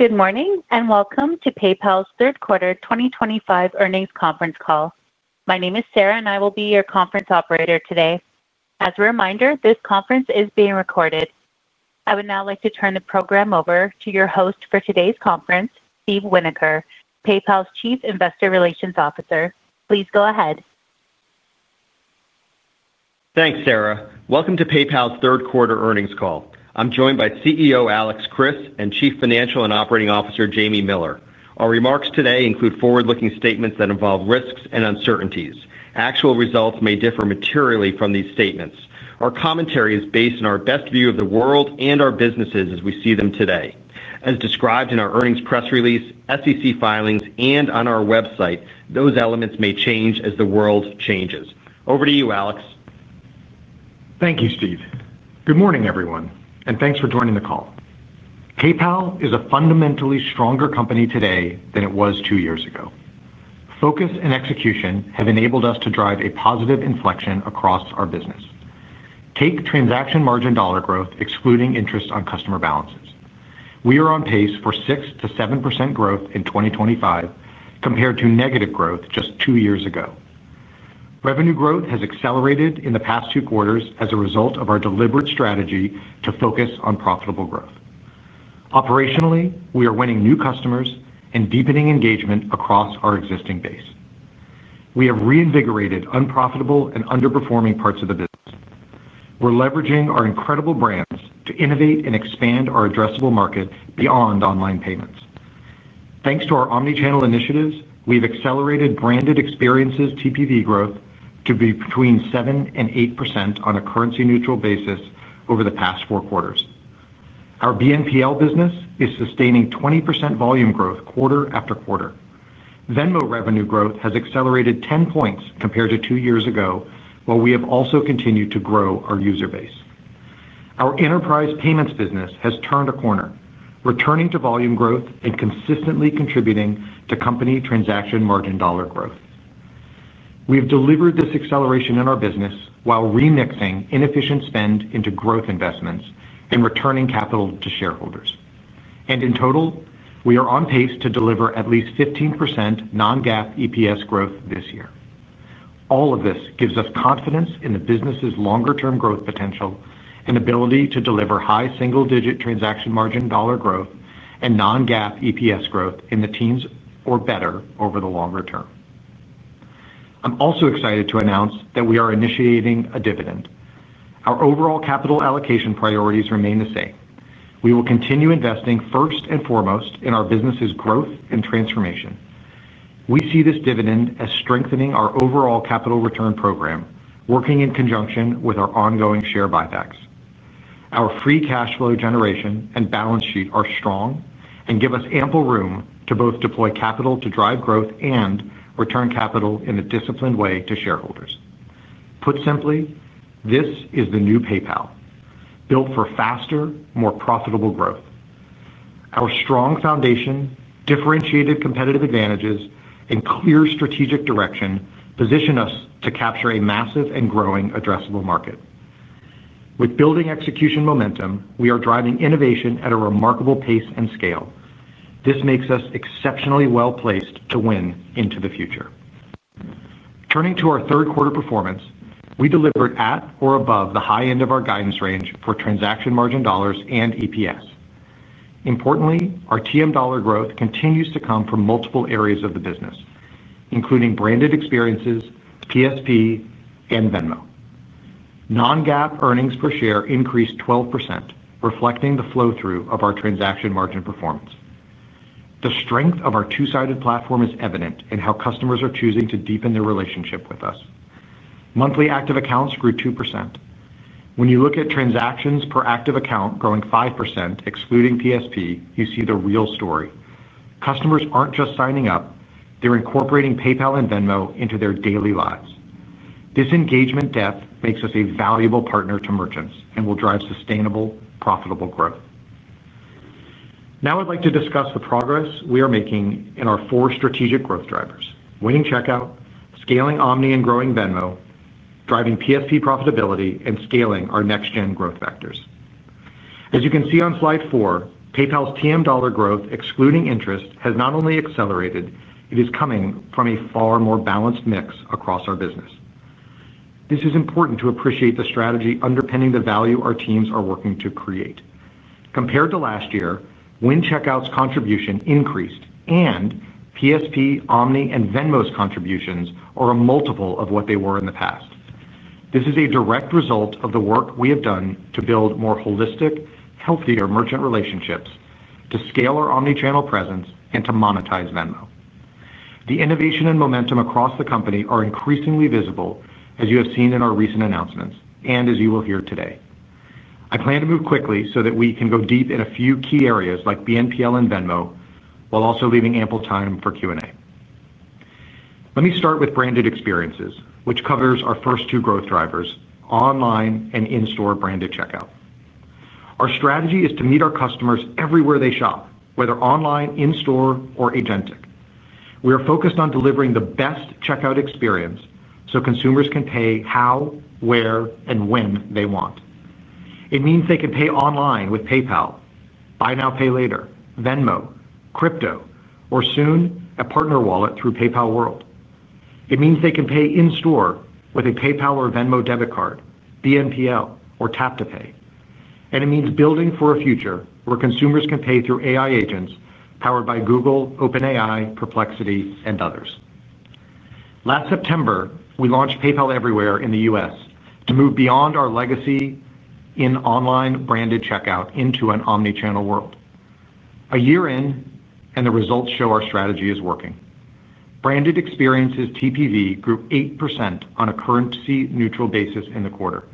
Good morning and welcome to PayPal's Third Quarter 2025 Earnings Conference Call. My name is Sarah, and I will be your conference operator today. As a reminder, this conference is being recorded. I would now like to turn the program over to your host for today's conference, Steve Winoker, PayPal's Chief Investor Relations Officer. Please go ahead. Thanks, Sarah. Welcome to PayPal's Third Quarter Earnings Call. I'm joined by CEO Alex Chriss and Chief Financial and Operating Officer Jamie Miller. Our remarks today include forward-looking statements that involve risks and uncertainties. Actual results may differ materially from these statements. Our commentary is based on our best view of the world and our businesses as we see them today. As described in our earnings press release, SEC filings, and on our website, those elements may change as the world changes. Over to you, Alex. Thank you, Steve. Good morning, everyone, and thanks for joining the call. PayPal is a fundamentally stronger company today than it was 2 years ago. Focus and execution have enabled us to drive a positive inflection across our business. Take transaction margin dollar growth, excluding interest on customer balances. We are on pace for 6% -7% growth in 2025 compared to negative growth just 2 years ago. Revenue growth has accelerated in the past two quarters as a result of our deliberate strategy to focus on profitable growth. Operationally, we are winning new customers and deepening engagement across our existing base. We have reinvigorated unprofitable and underperforming parts of the business. We're leveraging our incredible brands to innovate and expand our addressable market beyond online payments. Thanks to our omnichannel initiatives, we've accelerated branded experiences TPV growth to be between 7% and 8% on a currency-neutral basis over the past four quarters. Our BNPL business is sustaining 20% volume growth quarter-after-quarter. Venmo revenue growth has accelerated 10 points compared to 2 years ago, while we have also continued to grow our user base. Our enterprise payments business has turned a corner, returning to volume growth and consistently contributing to company transaction margin dollar growth. We have delivered this acceleration in our business while remixing inefficient spend into growth investments and returning capital to shareholders. In total, we are on pace to deliver at least 15% non-GAAP EPS growth this year. All of this gives us confidence in the business's longer-term growth potential and ability to deliver high single-digit transaction margin dollar growth and non-GAAP EPS growth in the teens or better over the longer term. I'm also excited to announce that we are initiating a dividend. Our overall capital allocation priorities remain the same. We will continue investing first and foremost in our business's growth and transformation. We see this dividend as strengthening our overall capital return program, working in conjunction with our ongoing share buybacks. Our free cash flow generation and balance sheet are strong and give us ample room to both deploy capital to drive growth and return capital in a disciplined way to shareholders. Put simply, this is the new PayPal, built for faster, more profitable growth. Our strong foundation, differentiated competitive advantages, and clear strategic direction position us to capture a massive and growing addressable market. With building execution momentum, we are driving innovation at a remarkable pace and scale. This makes us exceptionally well-placed to win into the future. Turning to our third quarter performance, we delivered at or above the high end of our guidance range for transaction margin dollars and EPS. Importantly, our TM dollar growth continues to come from multiple areas of the business, including branded experiences, PSP, and Venmo. Non-GAAP earnings per share increased 12%, reflecting the flow-through of our transaction margin performance. The strength of our two-sided platform is evident in how customers are choosing to deepen their relationship with us. Monthly active accounts grew 2%. When you look at transactions per active account growing 5%, excluding PSP, you see the real story. Customers aren't just signing up; they're incorporating PayPal and Venmo into their daily lives. This engagement depth makes us a valuable partner to merchants and will drive sustainable, profitable growth. Now I'd like to discuss the progress we are making in our four strategic growth drivers: winning checkout, scaling Omni, and growing Venmo, driving PSP profitability, and scaling our next-gen growth vectors. As you can see on slide four, PayPal's TM dollar growth, excluding interest, has not only accelerated, it is coming from a far more balanced mix across our business. This is important to appreciate the strategy underpinning the value our teams are working to create. Compared to last year, win checkout's contribution increased, and PSP, Omni, and Venmo's contributions are a multiple of what they were in the past. This is a direct result of the work we have done to build more holistic, healthier merchant relationships, to scale our omnichannel presence, and to monetize Venmo. The innovation and momentum across the company are increasingly visible, as you have seen in our recent announcements and as you will hear today. I plan to move quickly so that we can go deep in a few key areas like BNPL and Venmo, while also leaving ample time for Q&A. Let me start with branded experiences, which covers our first two growth drivers: online and in-store branded checkout. Our strategy is to meet our customers everywhere they shop, whether online, in-store, or agentic. We are focused on delivering the best checkout experience so consumers can pay how, where, and when they want. It means they can pay online with PayPal, Buy Now, Pay Later, Venmo, crypto, or soon a partner wallet through PayPal World. It means they can pay in-store with a PayPal or Venmo debit card, BNPL, or Tap to Pay. It also means building for a future where consumers can pay through AI agents powered by Google, OpenAI, Perplexity, and others. Last September, we launched PayPal Everywhere in the U.S. to move beyond our legacy in online branded checkout into an omnichannel world. A year in, and the results show our strategy is working. Branded experiences TPV grew 8% on a currency-neutral basis in the quarter.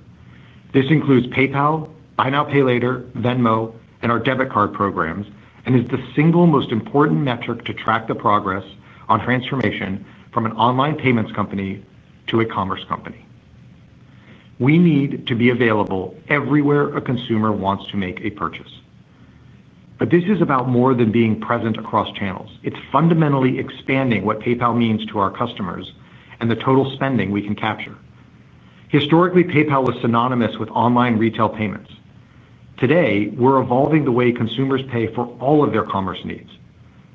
This includes PayPal, Buy Now, Pay Later, Venmo, and our debit card programs, and is the single most important metric to track the progress on transformation from an online payments company to a commerce company. We need to be available everywhere a consumer wants to make a purchase. This is about more than being present across channels. It's fundamentally expanding what PayPal means to our customers and the total spending we can capture. Historically, PayPal was synonymous with online retail payments. Today, we're evolving the way consumers pay for all of their commerce needs,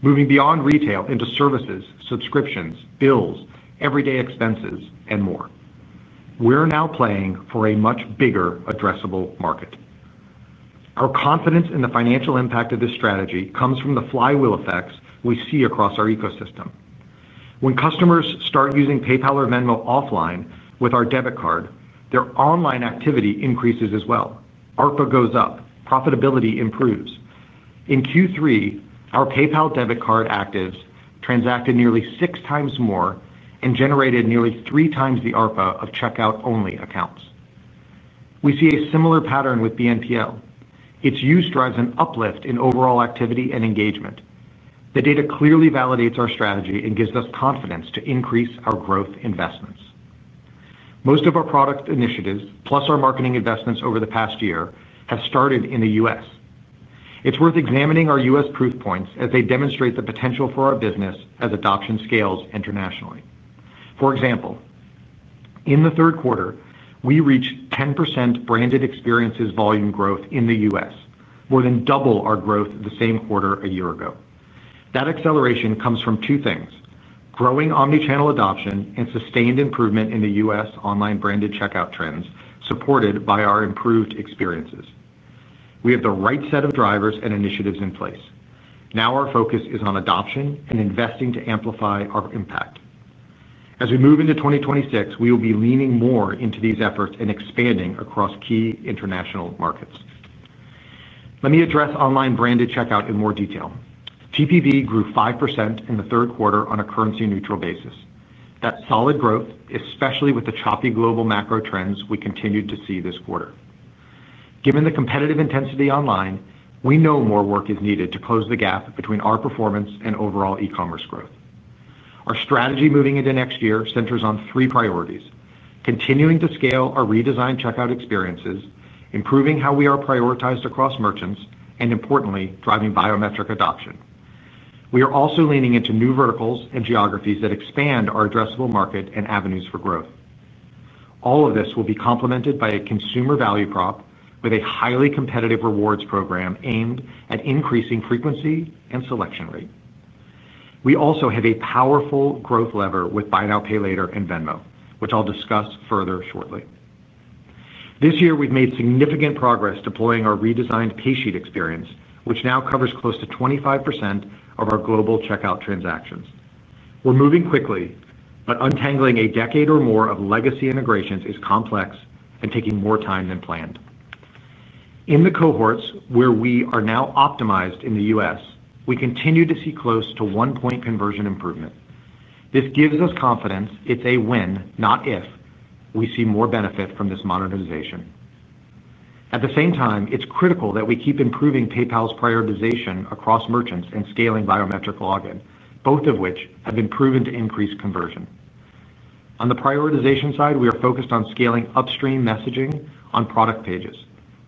moving beyond retail into services, subscriptions, bills, everyday expenses, and more. We're now playing for a much bigger addressable market. Our confidence in the financial impact of this strategy comes from the flywheel effects we see across our ecosystem. When customers start using PayPal or Venmo offline with our debit card, their online activity increases as well. ARPA goes up, profitability improves. In Q3, our PayPal debit card actives transacted nearly 6x more and generated nearly 3x the ARPA of checkout-only accounts. We see a similar pattern with BNPL. Its use drives an uplift in overall activity and engagement. The data clearly validates our strategy and gives us confidence to increase our growth investments. Most of our product initiatives, plus our marketing investments over the past year, have started in the U.S. It's worth examining our U.S. proof points as they demonstrate the potential for our business as adoption scales internationally. For example, in the third quarter, we reached 10% branded experiences volume growth in the U.S., more than double our growth the same quarter a year ago. That acceleration comes from two things: growing omnichannel adoption and sustained improvement in the U.S. online branded checkout trends, supported by our improved experiences. We have the right set of drivers and initiatives in place. Now our focus is on adoption and investing to amplify our impact. As we move into 2026, we will be leaning more into these efforts and expanding across key international markets. Let me address online branded checkout in more detail. TPV grew 5% in the third quarter on a currency-neutral basis. That's solid growth, especially with the choppy global macro trends we continued to see this quarter. Given the competitive intensity online, we know more work is needed to close the gap between our performance and overall e-commerce growth. Our strategy moving into next year centers on three priorities: continuing to scale our redesigned checkout experiences, improving how we are prioritized across merchants, and importantly, driving biometric adoption. We are also leaning into new verticals and geographies that expand our addressable market and avenues for growth. All of this will be complemented by a consumer value prop with a highly competitive rewards program aimed at increasing frequency and selection rate. We also have a powerful growth lever with Buy Now, Pay Later and Venmo, which I'll discuss further shortly. This year, we've made significant progress deploying our redesigned pay sheet experience, which now covers close to 25% of our global checkout transactions. We're moving quickly, but untangling a decade or more of legacy integrations is complex and taking more time than planned. In the cohorts where we are now optimized in the U.S., we continue to see close to 1 point conversion improvement. This gives us confidence. It's a win, not if we see more benefit from this monetization. At the same time, it's critical that we keep improving PayPal's prioritization across merchants and scaling biometric login, both of which have been proven to increase conversion. On the prioritization side, we are focused on scaling upstream messaging on product pages,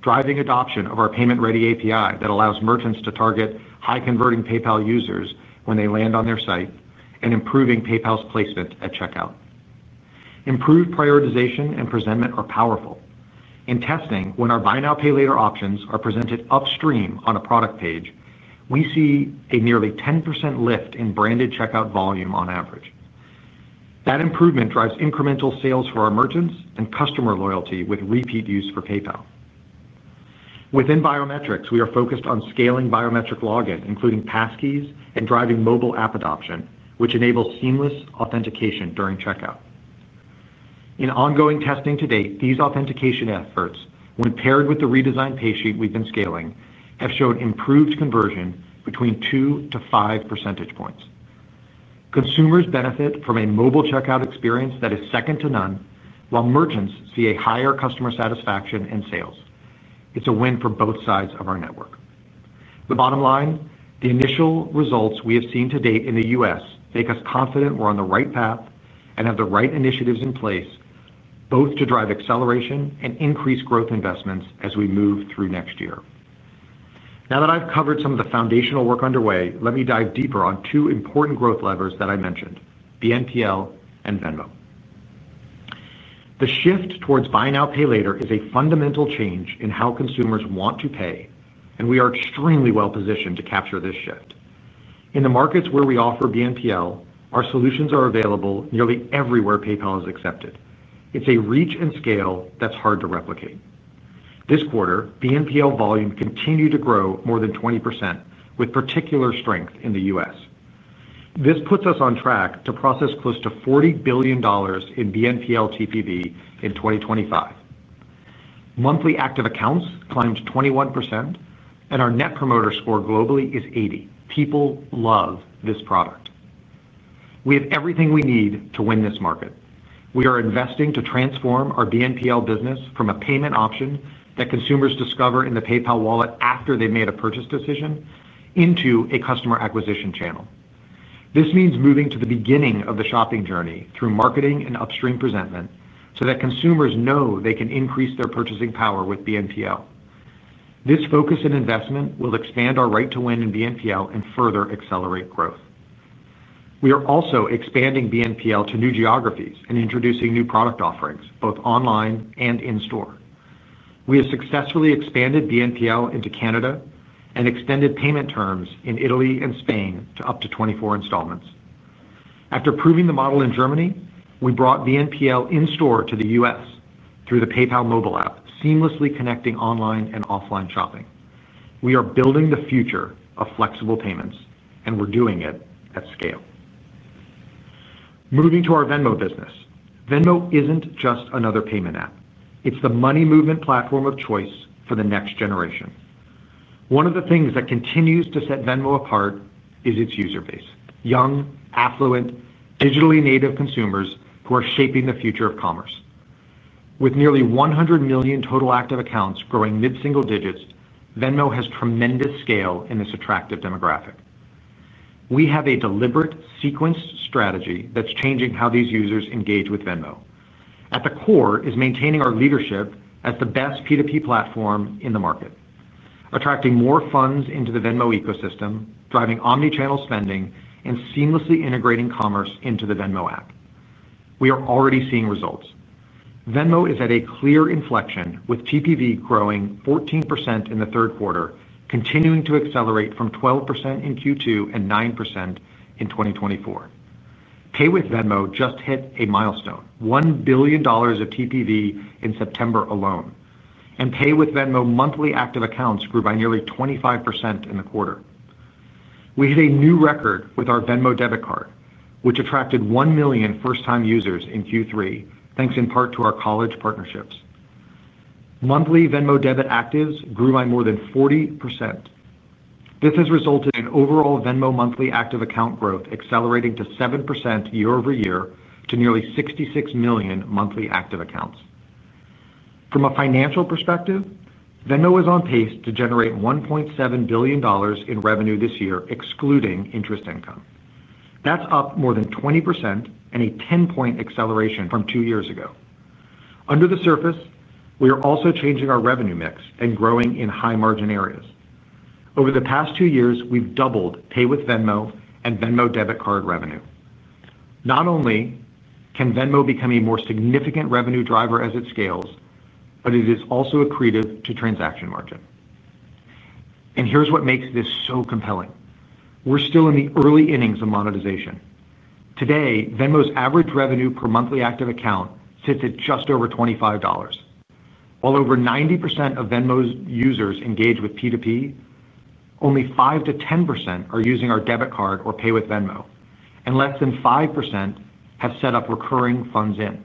driving adoption of our payment-ready API that allows merchants to target high-converting PayPal users when they land on their site, and improving PayPal's placement at checkout. Improved prioritization and presentment are powerful. In testing, when our Buy Now, Pay Later options are presented upstream on a product page, we see a nearly 10% lift in branded checkout volume on average. That improvement drives incremental sales for our merchants and customer loyalty with repeat use for PayPal. Within biometrics, we are focused on scaling biometric login, including passkeys, and driving mobile app adoption, which enables seamless authentication during checkout. In ongoing testing to date, these authentication efforts, when paired with the redesigned pay sheet we've been scaling, have shown improved conversion between 2%-5%. Consumers benefit from a mobile checkout experience that is second to none, while merchants see a higher customer satisfaction and sales. It's a win for both sides of our network. The bottom line, the initial results we have seen to date in the U.S. make us confident we're on the right path and have the right initiatives in place, both to drive acceleration and increase growth investments as we move through next year. Now that I've covered some of the foundational work underway, let me dive deeper on two important growth levers that I mentioned: BNPL and Venmo. The shift towards Buy Now, Pay Later is a fundamental change in how consumers want to pay, and we are extremely well-positioned to capture this shift. In the markets where we offer BNPL, our solutions are available nearly everywhere PayPal is accepted. It's a reach and scale that's hard to replicate. This quarter, BNPL volume continued to grow more than 20%, with particular strength in the U.S. This puts us on track to process close to $40 billion in BNPL TPV in 2025. Monthly active accounts climbed 21%, and our net promoter score globally is 80. People love this product. We have everything we need to win this market. We are investing to transform our BNPL business from a payment option that consumers discover in the PayPal Wallet after they made a purchase decision into a customer acquisition channel. This means moving to the beginning of the shopping journey through marketing and upstream presentment so that consumers know they can increase their purchasing power with BNPL. This focus and investment will expand our right to win in BNPL and further accelerate growth. We are also expanding BNPL to new geographies and introducing new product offerings, both online and in-store. We have successfully expanded BNPL into Canada and extended payment terms in Italy and Spain to up to 24 installments. After proving the model in Germany, we brought BNPL in-store to the U.S. through the PayPal mobile app, seamlessly connecting online and offline shopping. We are building the future of flexible payments, and we're doing it at scale. Moving to our Venmo business, Venmo isn't just another payment app. It's the money movement platform of choice for the next generation. One of the things that continues to set Venmo apart is its user base, young, affluent, digitally native consumers who are shaping the future of commerce. With nearly 100 million total active accounts growing mid-single digits, Venmo has tremendous scale in this attractive demographic. We have a deliberate, sequenced strategy that's changing how these users engage with Venmo. At the core is maintaining our leadership as the best P2P platform in the market, attracting more funds into the Venmo ecosystem, driving omnichannel spending, and seamlessly integrating commerce into the Venmo app. We are already seeing results. Venmo is at a clear inflection, with TPV growing 14% in the third quarter, continuing to accelerate from 12% in Q2 and 9% in 2024. Pay with Venmo just hit a milestone: $1 billion of TPV in September alone, and Pay with Venmo monthly active accounts grew by nearly 25% in the quarter. We hit a new record with our Venmo debit card, which attracted 1 million first-time users in Q3, thanks in part to our college partnerships. Monthly Venmo debit actives grew by more than 40%. This has resulted in overall Venmo monthly active account growth accelerating to 7% year-over-year to nearly 66 million monthly active accounts. From a financial perspective, Venmo is on pace to generate $1.7 billion in revenue this year, excluding interest income. That's up more than 20% and a 10-point acceleration from 2 years ago. Under the surface, we are also changing our revenue mix and growing in high margin areas. Over the past 2 years, we've doubled Pay with Venmo and Venmo debit card revenue. Not only can Venmo become a more significant revenue driver as it scales, but it is also accretive to transaction margin. Here's what makes this so compelling. We're still in the early innings of monetization. Today, Venmo's average revenue per monthly active account sits at just over $25. While over 90% of Venmo's users engage with P2P, only 5%-10% are using our debit card or Pay with Venmo, and less than 5% have set up recurring funds in.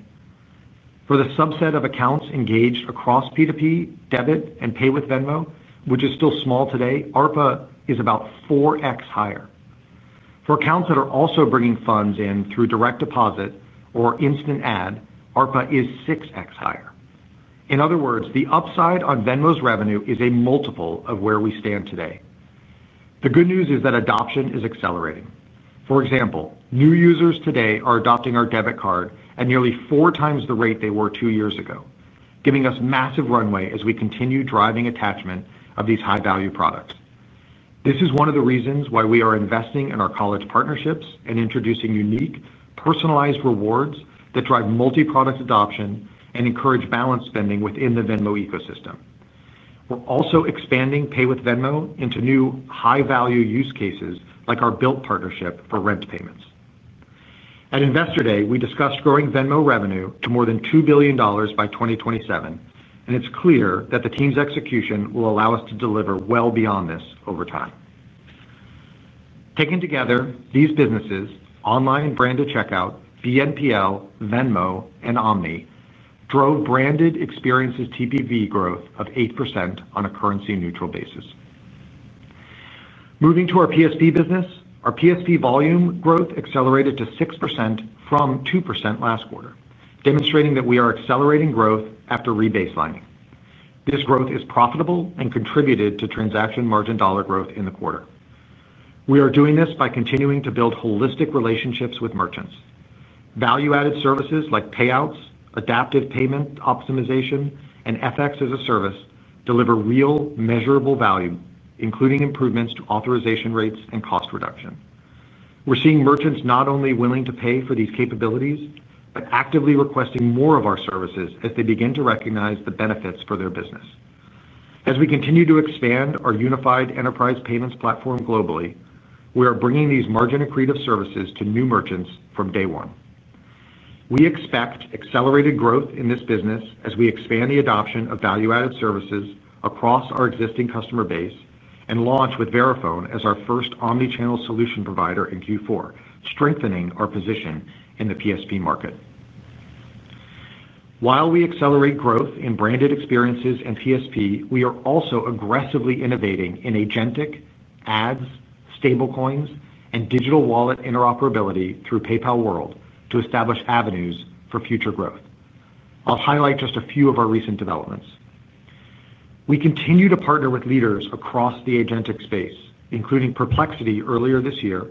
For the subset of accounts engaged across P2P, debit, and Pay with Venmo, which is still small today, ARPA is about 4x higher. For accounts that are also bringing funds in through direct deposit or instant add, ARPA is 6x higher. In other words, the upside on Venmo's revenue is a multiple of where we stand today. The good news is that adoption is accelerating. For example, new users today are adopting our debit card at nearly 4x the rate they were 2 years ago, giving us massive runway as we continue driving attachment of these high-value products. This is one of the reasons why we are investing in our college partnerships and introducing unique, personalized rewards that drive multi-product adoption and encourage balanced spending within the Venmo ecosystem. We're also expanding Pay with Venmo into new high-value use cases like our built partnership for rent payments. At Investor Day, we discussed growing Venmo revenue to more than $2 billion by 2027, and it's clear that the team's execution will allow us to deliver well beyond this over time. Taken together, these businesses, online branded checkout, BNPL, Venmo, and Omni, drove branded experiences TPV growth of 8% on a currency-neutral basis. Moving to our PSP business, our PSP volume growth accelerated to 6% from 2% last quarter, demonstrating that we are accelerating growth after rebaselining. This growth is profitable and contributed to transaction margin dollar growth in the quarter. We are doing this by continuing to build holistic relationships with merchants. Value-added services like payouts, adaptive payment optimization, and FX as a service deliver real, measurable value, including improvements to authorization rates and cost reduction. We're seeing merchants not only willing to pay for these capabilities, but actively requesting more of our services as they begin to recognize the benefits for their business. As we continue to expand our unified enterprise payments platform globally, we are bringing these margin-accretive services to new merchants from day one. We expect accelerated growth in this business as we expand the adoption of value-added services across our existing customer base and launch with Verifone as our first omnichannel solution provider in Q4, strengthening our position in the PSP market. While we accelerate growth in branded experiences and PSP, we are also aggressively innovating in agentic, ads, stablecoins, and digital wallet interoperability through PayPal World to establish avenues for future growth. I'll highlight just a few of our recent developments. We continue to partner with leaders across the agentic space, including Perplexity earlier this year,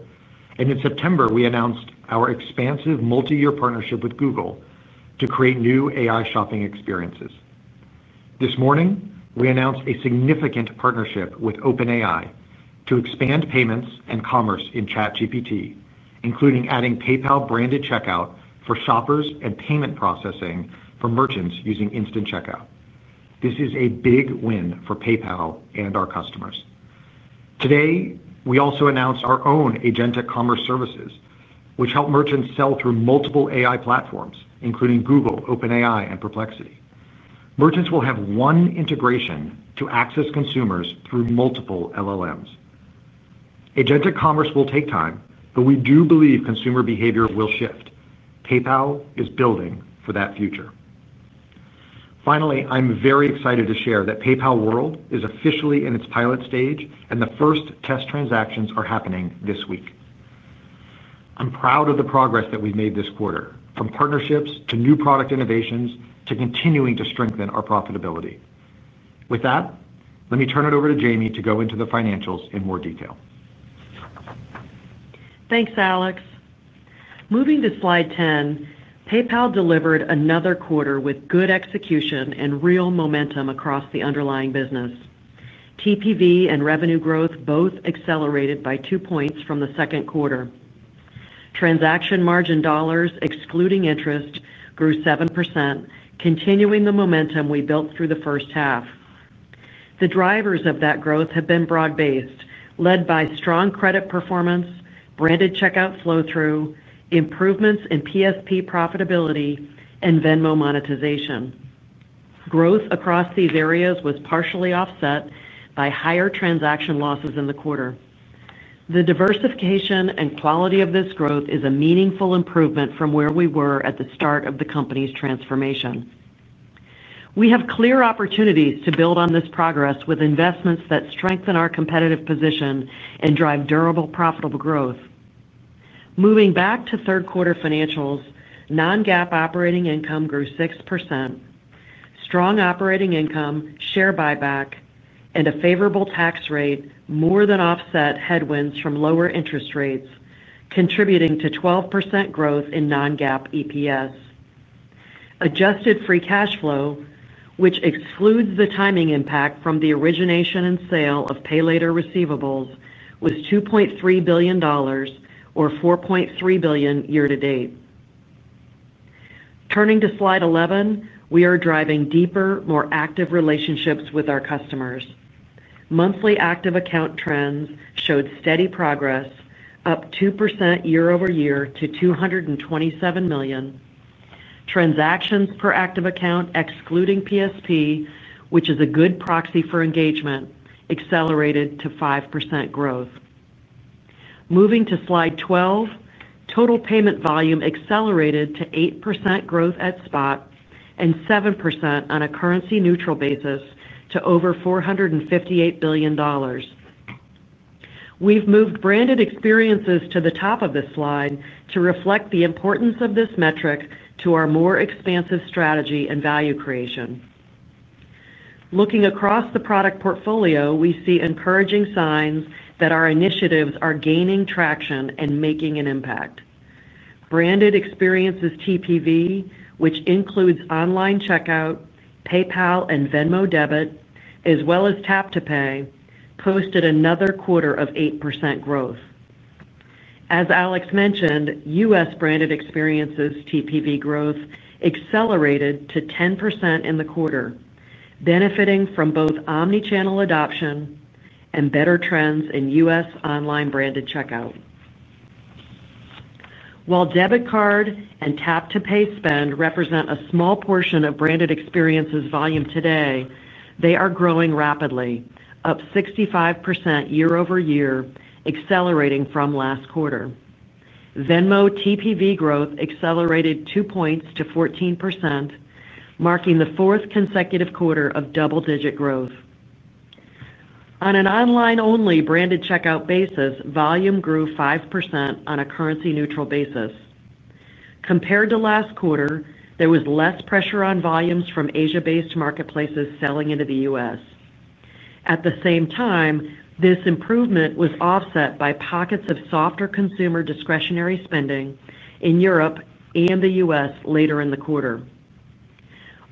and in September, we announced our expansive multi-year partnership with Google to create new AI shopping experiences. This morning, we announced a significant partnership with OpenAI to expand payments and commerce in ChatGPT, including adding PayPal branded checkout for shoppers and payment processing for merchants using instant checkout. This is a big win for PayPal and our customers. Today, we also announced our own agentic commerce services, which help merchants sell through multiple AI platforms, including Google, OpenAI, and Perplexity. Merchants will have one integration to access consumers through multiple LLMs. Agentic commerce will take time, but we do believe consumer behavior will shift. PayPal is building for that future. Finally, I'm very excited to share that PayPal World is officially in its pilot stage, and the first test transactions are happening this week. I'm proud of the progress that we've made this quarter, from partnerships to new product innovations to continuing to strengthen our profitability. With that, let me turn it over to Jamie to go into the financials in more detail. Thanks, Alex. Moving to slide 10, PayPal delivered another quarter with good execution and real momentum across the underlying business. TPV and revenue growth both accelerated by 2 points from the second quarter. Transaction margin dollars, excluding interest, grew 7%, continuing the momentum we built through the first half. The drivers of that growth have been broad-based, led by strong credit performance, branded checkout flow-through, improvements in PSP profitability, and Venmo monetization. Growth across these areas was partially offset by higher transaction losses in the quarter. The diversification and quality of this growth is a meaningful improvement from where we were at the start of the company's transformation. We have clear opportunities to build on this progress with investments that strengthen our competitive position and drive durable, profitable growth. Moving back to third quarter financials, non-GAAP operating income grew 6%. Strong operating income, share buyback, and a favorable tax rate more than offset headwinds from lower interest rates, contributing to 12% growth in non-GAAP EPS. Adjusted free cash flow, which excludes the timing impact from the origination and sale of pay later receivables, was $2.3 billion or $4.3 billion year-to-date. Turning to slide 11, we are driving deeper, more active relationships with our customers. Monthly active account trends showed steady progress, up 2% year-over-year to 227 million. Transactions per active account, excluding PSP, which is a good proxy for engagement, accelerated to 5% growth. Moving to slide 12, total payment volume accelerated to 8% growth at spot and 7% on a currency-neutral basis to over $458 billion. We've moved branded experiences to the top of this slide to reflect the importance of this metric to our more expansive strategy and value creation. Looking across the product portfolio, we see encouraging signs that our initiatives are gaining traction and making an impact. Branded experiences TPV, which includes online checkout, PayPal, and Venmo debit, as well as Tap to Pay, posted another quarter of 8% growth. As Alex mentioned, U.S. branded experiences TPV growth accelerated to 10% in the quarter, benefiting from both omnichannel adoption and better trends in U.S. online branded checkout. While debit card and Tap to Pay spend represent a small portion of branded experiences volume today, they are growing rapidly, up 65% year-over-year, accelerating from last quarter. Venmo TPV growth accelerated 2 points to 14%, marking the fourth consecutive quarter of double-digit growth. On an online-only branded checkout basis, volume grew 5% on a currency-neutral basis. Compared to last quarter, there was less pressure on volumes from Asia-based marketplaces selling into the U.S. At the same time, this improvement was offset by pockets of softer consumer discretionary spending in Europe and the U.S. later in the quarter.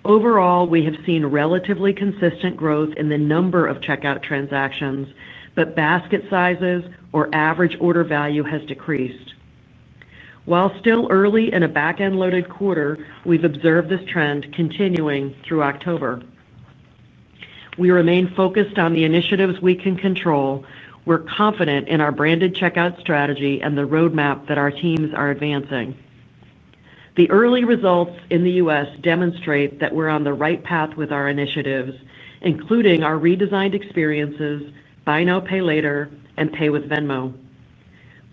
Overall, we have seen relatively consistent growth in the number of checkout transactions, but basket sizes or average order value has decreased. While still early in a back-end loaded quarter, we've observed this trend continuing through October. We remain focused on the initiatives we can control. We're confident in our branded checkout strategy and the roadmap that our teams are advancing. The early results in the U.S. demonstrate that we're on the right path with our initiatives, including our redesigned experiences, Buy Now, Pay Later, and Pay with Venmo.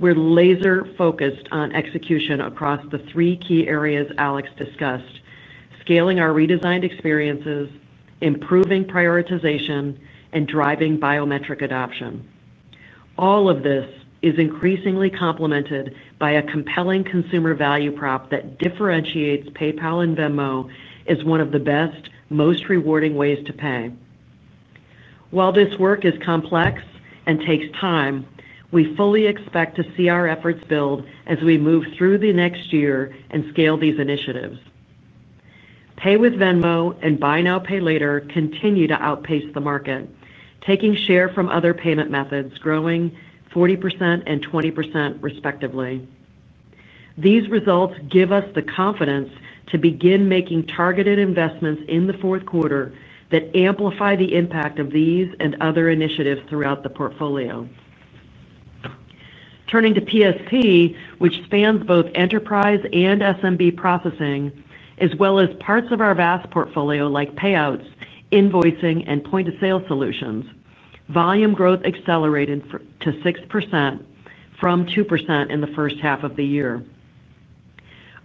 We're laser-focused on execution across the three key areas Alex discussed: scaling our redesigned experiences, improving prioritization, and driving biometric adoption. All of this is increasingly complemented by a compelling consumer value prop that differentiates PayPal and Venmo as one of the best, most rewarding ways to pay. While this work is complex and takes time, we fully expect to see our efforts build as we move through the next year and scale these initiatives. Pay with Venmo and Buy Now, Pay Later continue to outpace the market, taking share from other payment methods, growing 40% and 20% respectively. These results give us the confidence to begin making targeted investments in the fourth quarter that amplify the impact of these and other initiatives throughout the portfolio. Turning to PSP, which spans both enterprise and SMB processing, as well as parts of our vast portfolio like payouts, invoicing, and point-of-sale solutions, volume growth accelerated to 6% from 2% in the first half of the year.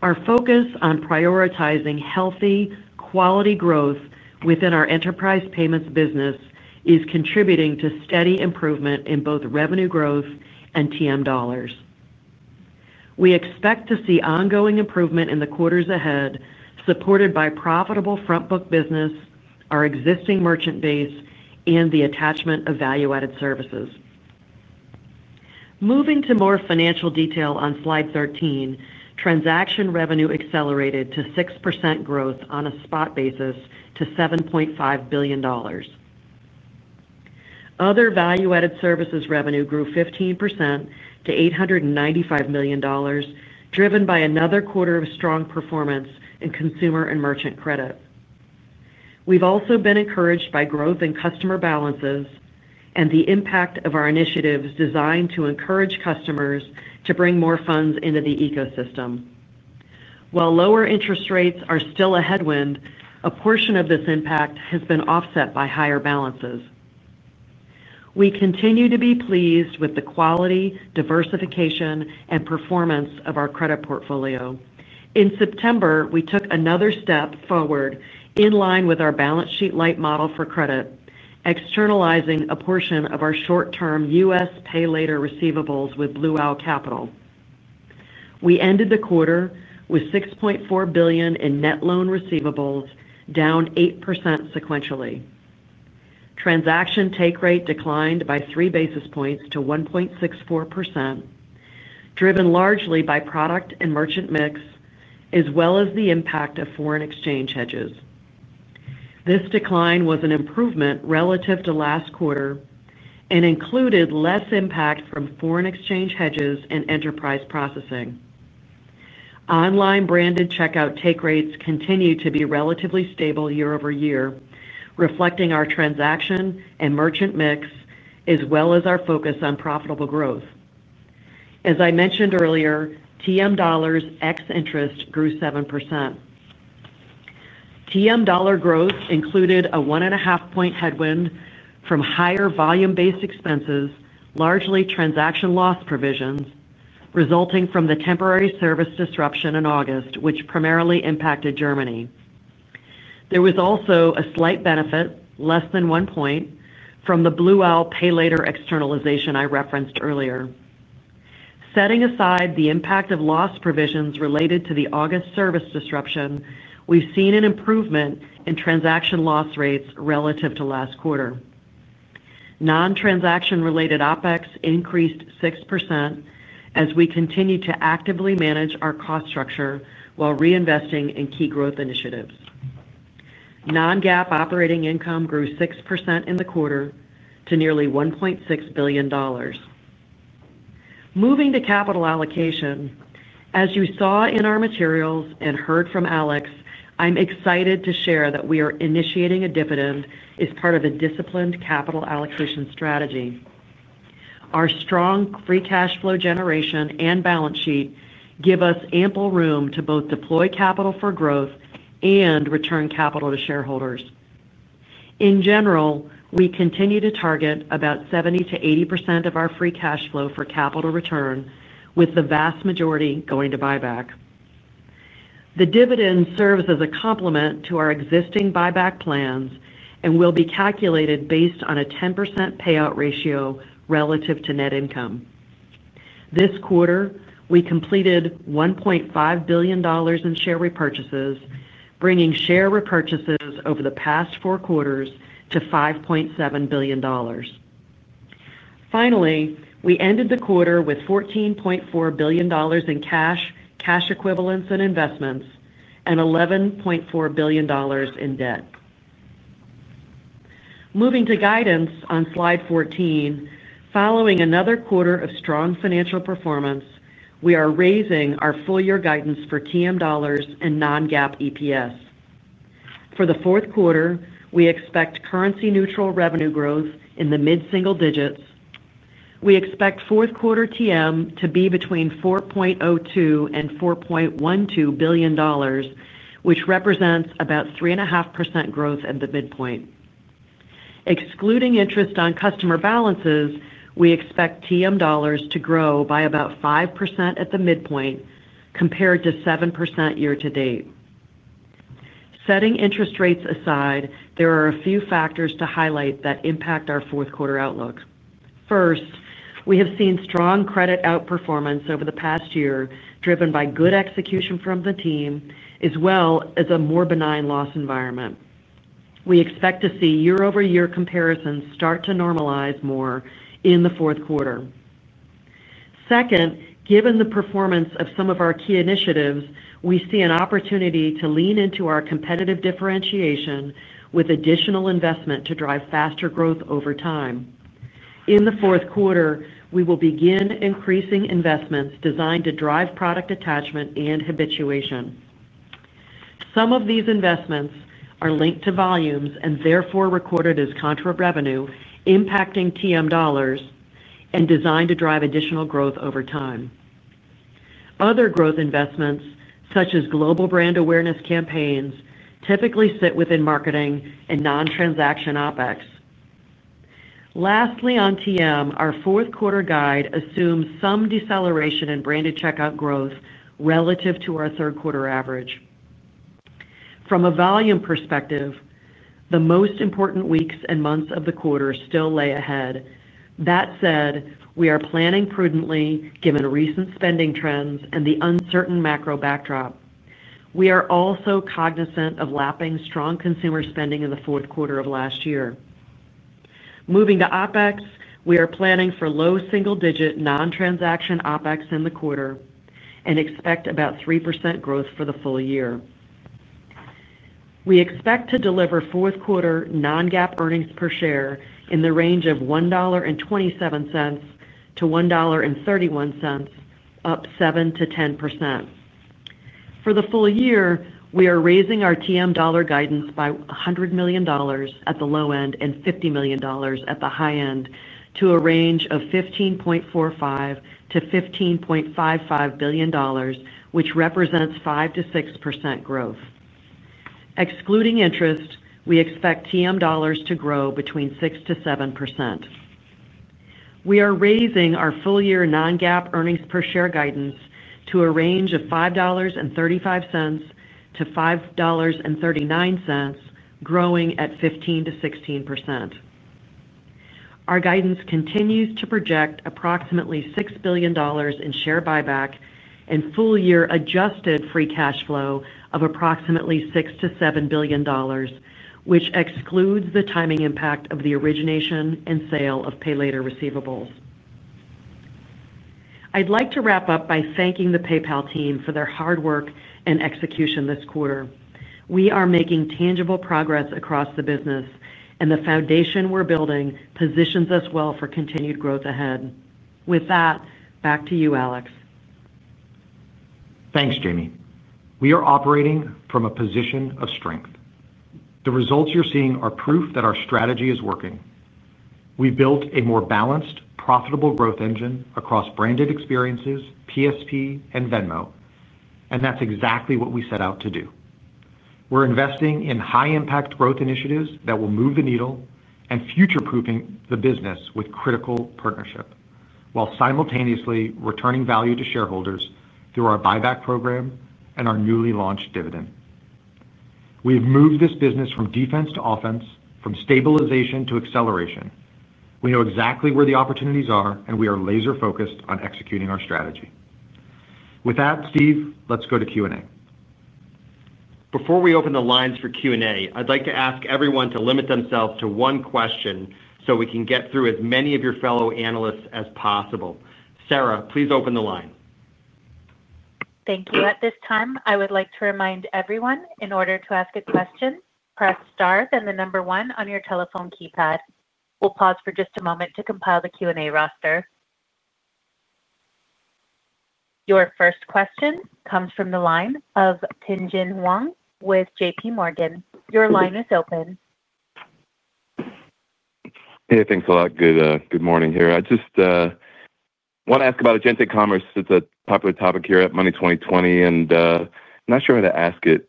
Our focus on prioritizing healthy, quality growth within our enterprise payments business is contributing to steady improvement in both revenue growth and TM dollars. We expect to see ongoing improvement in the quarters ahead, supported by profitable frontbook business, our existing merchant base, and the attachment of value-added services. Moving to more financial detail on slide 13, transaction revenue accelerated to 6% growth on a spot basis to $7.5 billion. Other value-added services revenue grew 15% to $895 million, driven by another quarter of strong performance in consumer and merchant credit. We've also been encouraged by growth in customer balances and the impact of our initiatives designed to encourage customers to bring more funds into the ecosystem. While lower interest rates are still a headwind, a portion of this impact has been offset by higher balances. We continue to be pleased with the quality, diversification, and performance of our credit portfolio. In September, we took another step forward in line with our balance sheet light model for credit, externalizing a portion of our short-term U.S. pay later receivables with Blue Owl Capital. We ended the quarter with $6.4 billion in net loan receivables, down 8% sequentially. Transaction take rate declined by 3 basis points to 1.64%, driven largely by product and merchant mix as well as the impact of foreign exchange hedges. This decline was an improvement relative to last quarter and included less impact from foreign exchange hedges and enterprise processing. Online branded checkout take rates continue to be relatively stable year-over-year, reflecting our transaction and merchant mix as well as our focus on profitable growth. As I mentioned earlier, TM dollars ex interest grew 7%. TM dollar growth included a 1.5 point headwind from higher volume-based expenses, largely transaction loss provisions resulting from the temporary service disruption in August, which primarily impacted Germany. There was also a slight benefit, less than 1 point, from the Blue Owl pay later externalization I referenced earlier. Setting aside the impact of loss provisions related to the August service disruption, we've seen an improvement in transaction loss rates relative to last quarter. Non-transaction related OpEx increased 6% as we continue to actively manage our cost structure while reinvesting in key growth initiatives. Non-GAAP operating income grew 6% in the quarter to nearly $1.6 billion. Moving to capital allocation, as you saw in our materials and heard from Alex, I'm excited to share that we are initiating a dividend as part of a disciplined capital allocation strategy. Our strong free cash flow generation and balance sheet give us ample room to both deploy capital for growth and return capital to shareholders. In general, we continue to target about 70%-80% of our free cash flow for capital return, with the vast majority going to buyback. The dividend serves as a complement to our existing buyback plans and will be calculated based on a 10% payout ratio relative to net income. This quarter, we completed $1.5 billion in share repurchases, bringing share repurchases over the past four quarters to $5.7 billion. Finally, we ended the quarter with $14.4 billion in cash, cash equivalents, and investments, and $11.4 billion in debt. Moving to guidance on slide 14, following another quarter of strong financial performance, we are raising our full-year guidance for TM dollars and non-GAAP EPS. For the fourth quarter, we expect currency-neutral revenue growth in the mid-single digits. We expect fourth quarter TM to be between $4.02 billion and $4.12 billion, which represents about 3.5% growth at the midpoint. Excluding interest on customer balances, we expect TM dollars to grow by about 5% at the midpoint compared to 7% year-to-date. Setting interest rates aside, there are a few factors to highlight that impact our fourth quarter outlook. First, we have seen strong credit outperformance over the past year, driven by good execution from the team, as well as a more benign loss environment. We expect to see year-over-year comparisons start to normalize more in the fourth quarter. Second, given the performance of some of our key initiatives, we see an opportunity to lean into our competitive differentiation with additional investment to drive faster growth over time. In the fourth quarter, we will begin increasing investments designed to drive product attachment and habituation. Some of these investments are linked to volumes and therefore recorded as contra revenue, impacting TM dollars and designed to drive additional growth over time. Other growth investments, such as global brand awareness campaigns, typically sit within marketing and non-transaction OpEx. Lastly, on TM, our fourth quarter guide assumes some deceleration in branded checkout growth relative to our third quarter average. From a volume perspective, the most important weeks and months of the quarter still lay ahead. That said, we are planning prudently given recent spending trends and the uncertain macro backdrop. We are also cognizant of lapping strong consumer spending in the fourth quarter of last year. Moving to OpEx, we are planning for low single-digit non-transaction OpEx in the quarter and expect about 3% growth for the full year. We expect to deliver fourth quarter non-GAAP earnings per share in the range of $1.27-$1.31, up 7%-10%. For the full year, we are raising our TM dollar guidance by $100 million at the low end and $50 million at the high end to a range of $15.45 billion-$15.55 billion, which represents 5%-6% growth. Excluding interest, we expect TM dollars to grow between 6%-7%. We are raising our full-year non-GAAP earnings per share guidance to a range of $5.35-$5.39, growing at 15%-16%. Our guidance continues to project approximately $6 billion in share buyback and full-year adjusted free cash flow of approximately $6 billion-$7 billion, which excludes the timing impact of the origination and sale of pay later receivables. I'd like to wrap up by thanking the PayPal team for their hard work and execution this quarter. We are making tangible progress across the business, and the foundation we're building positions us well for continued growth ahead. With that, back to you, Alex. Thanks, Jamie. We are operating from a position of strength. The results you're seeing are proof that our strategy is working. We built a more balanced, profitable growth engine across branded experiences, PSP, and Venmo, and that's exactly what we set out to do. We're investing in high-impact growth initiatives that will move the needle and future-proofing the business with critical partnership, while simultaneously returning value to shareholders through our buyback program and our newly launched dividend. We've moved this business from defense to offense, from stabilization to acceleration. We know exactly where the opportunities are, and we are laser-focused on executing our strategy. With that, Steve, let's go to Q&A. Before we open the lines for Q&A, I'd like to ask everyone to limit themselves to one question so we can get through as many of your fellow analysts as possible. Sarah, please open the line. Thank you. At this time, I would like to remind everyone, in order to ask a question, press star, then the number one on your telephone keypad. We'll pause for just a moment to compile the Q&A roster. Your first question comes from the line of Tien-Tsin Huang with JPMorgan. Your line is open. Hey, thanks a lot. Good morning here. I just want to ask about agentic commerce. It's a popular topic here at Money2020, and I'm not sure how to ask it,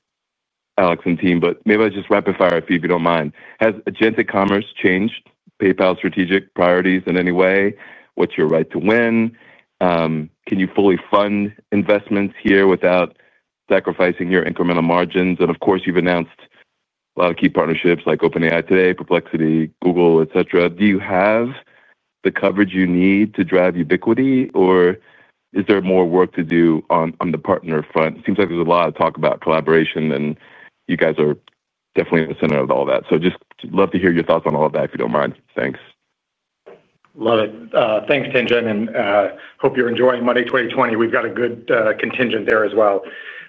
Alex and team, but maybe I'll just rapid-fire a few, if you don't mind. Has agentic commerce changed PayPal's strategic priorities in any way? What's your right to win? Can you fully fund investments here without sacrificing your incremental margins? Of course, you've announced a lot of key partnerships like OpenAI today, Perplexity, Google, et cetera. Do you have the coverage you need to drive ubiquity, or is there more work to do on the partner front? It seems like there's a lot of talk about collaboration, and you guys are definitely in the center of all that. Just love to hear your thoughts on all of that, if you don't mind. Thanks. Love it. Thanks, Tien-Tsin, and hope you're enjoying Money2020. We've got a good contingent there as well.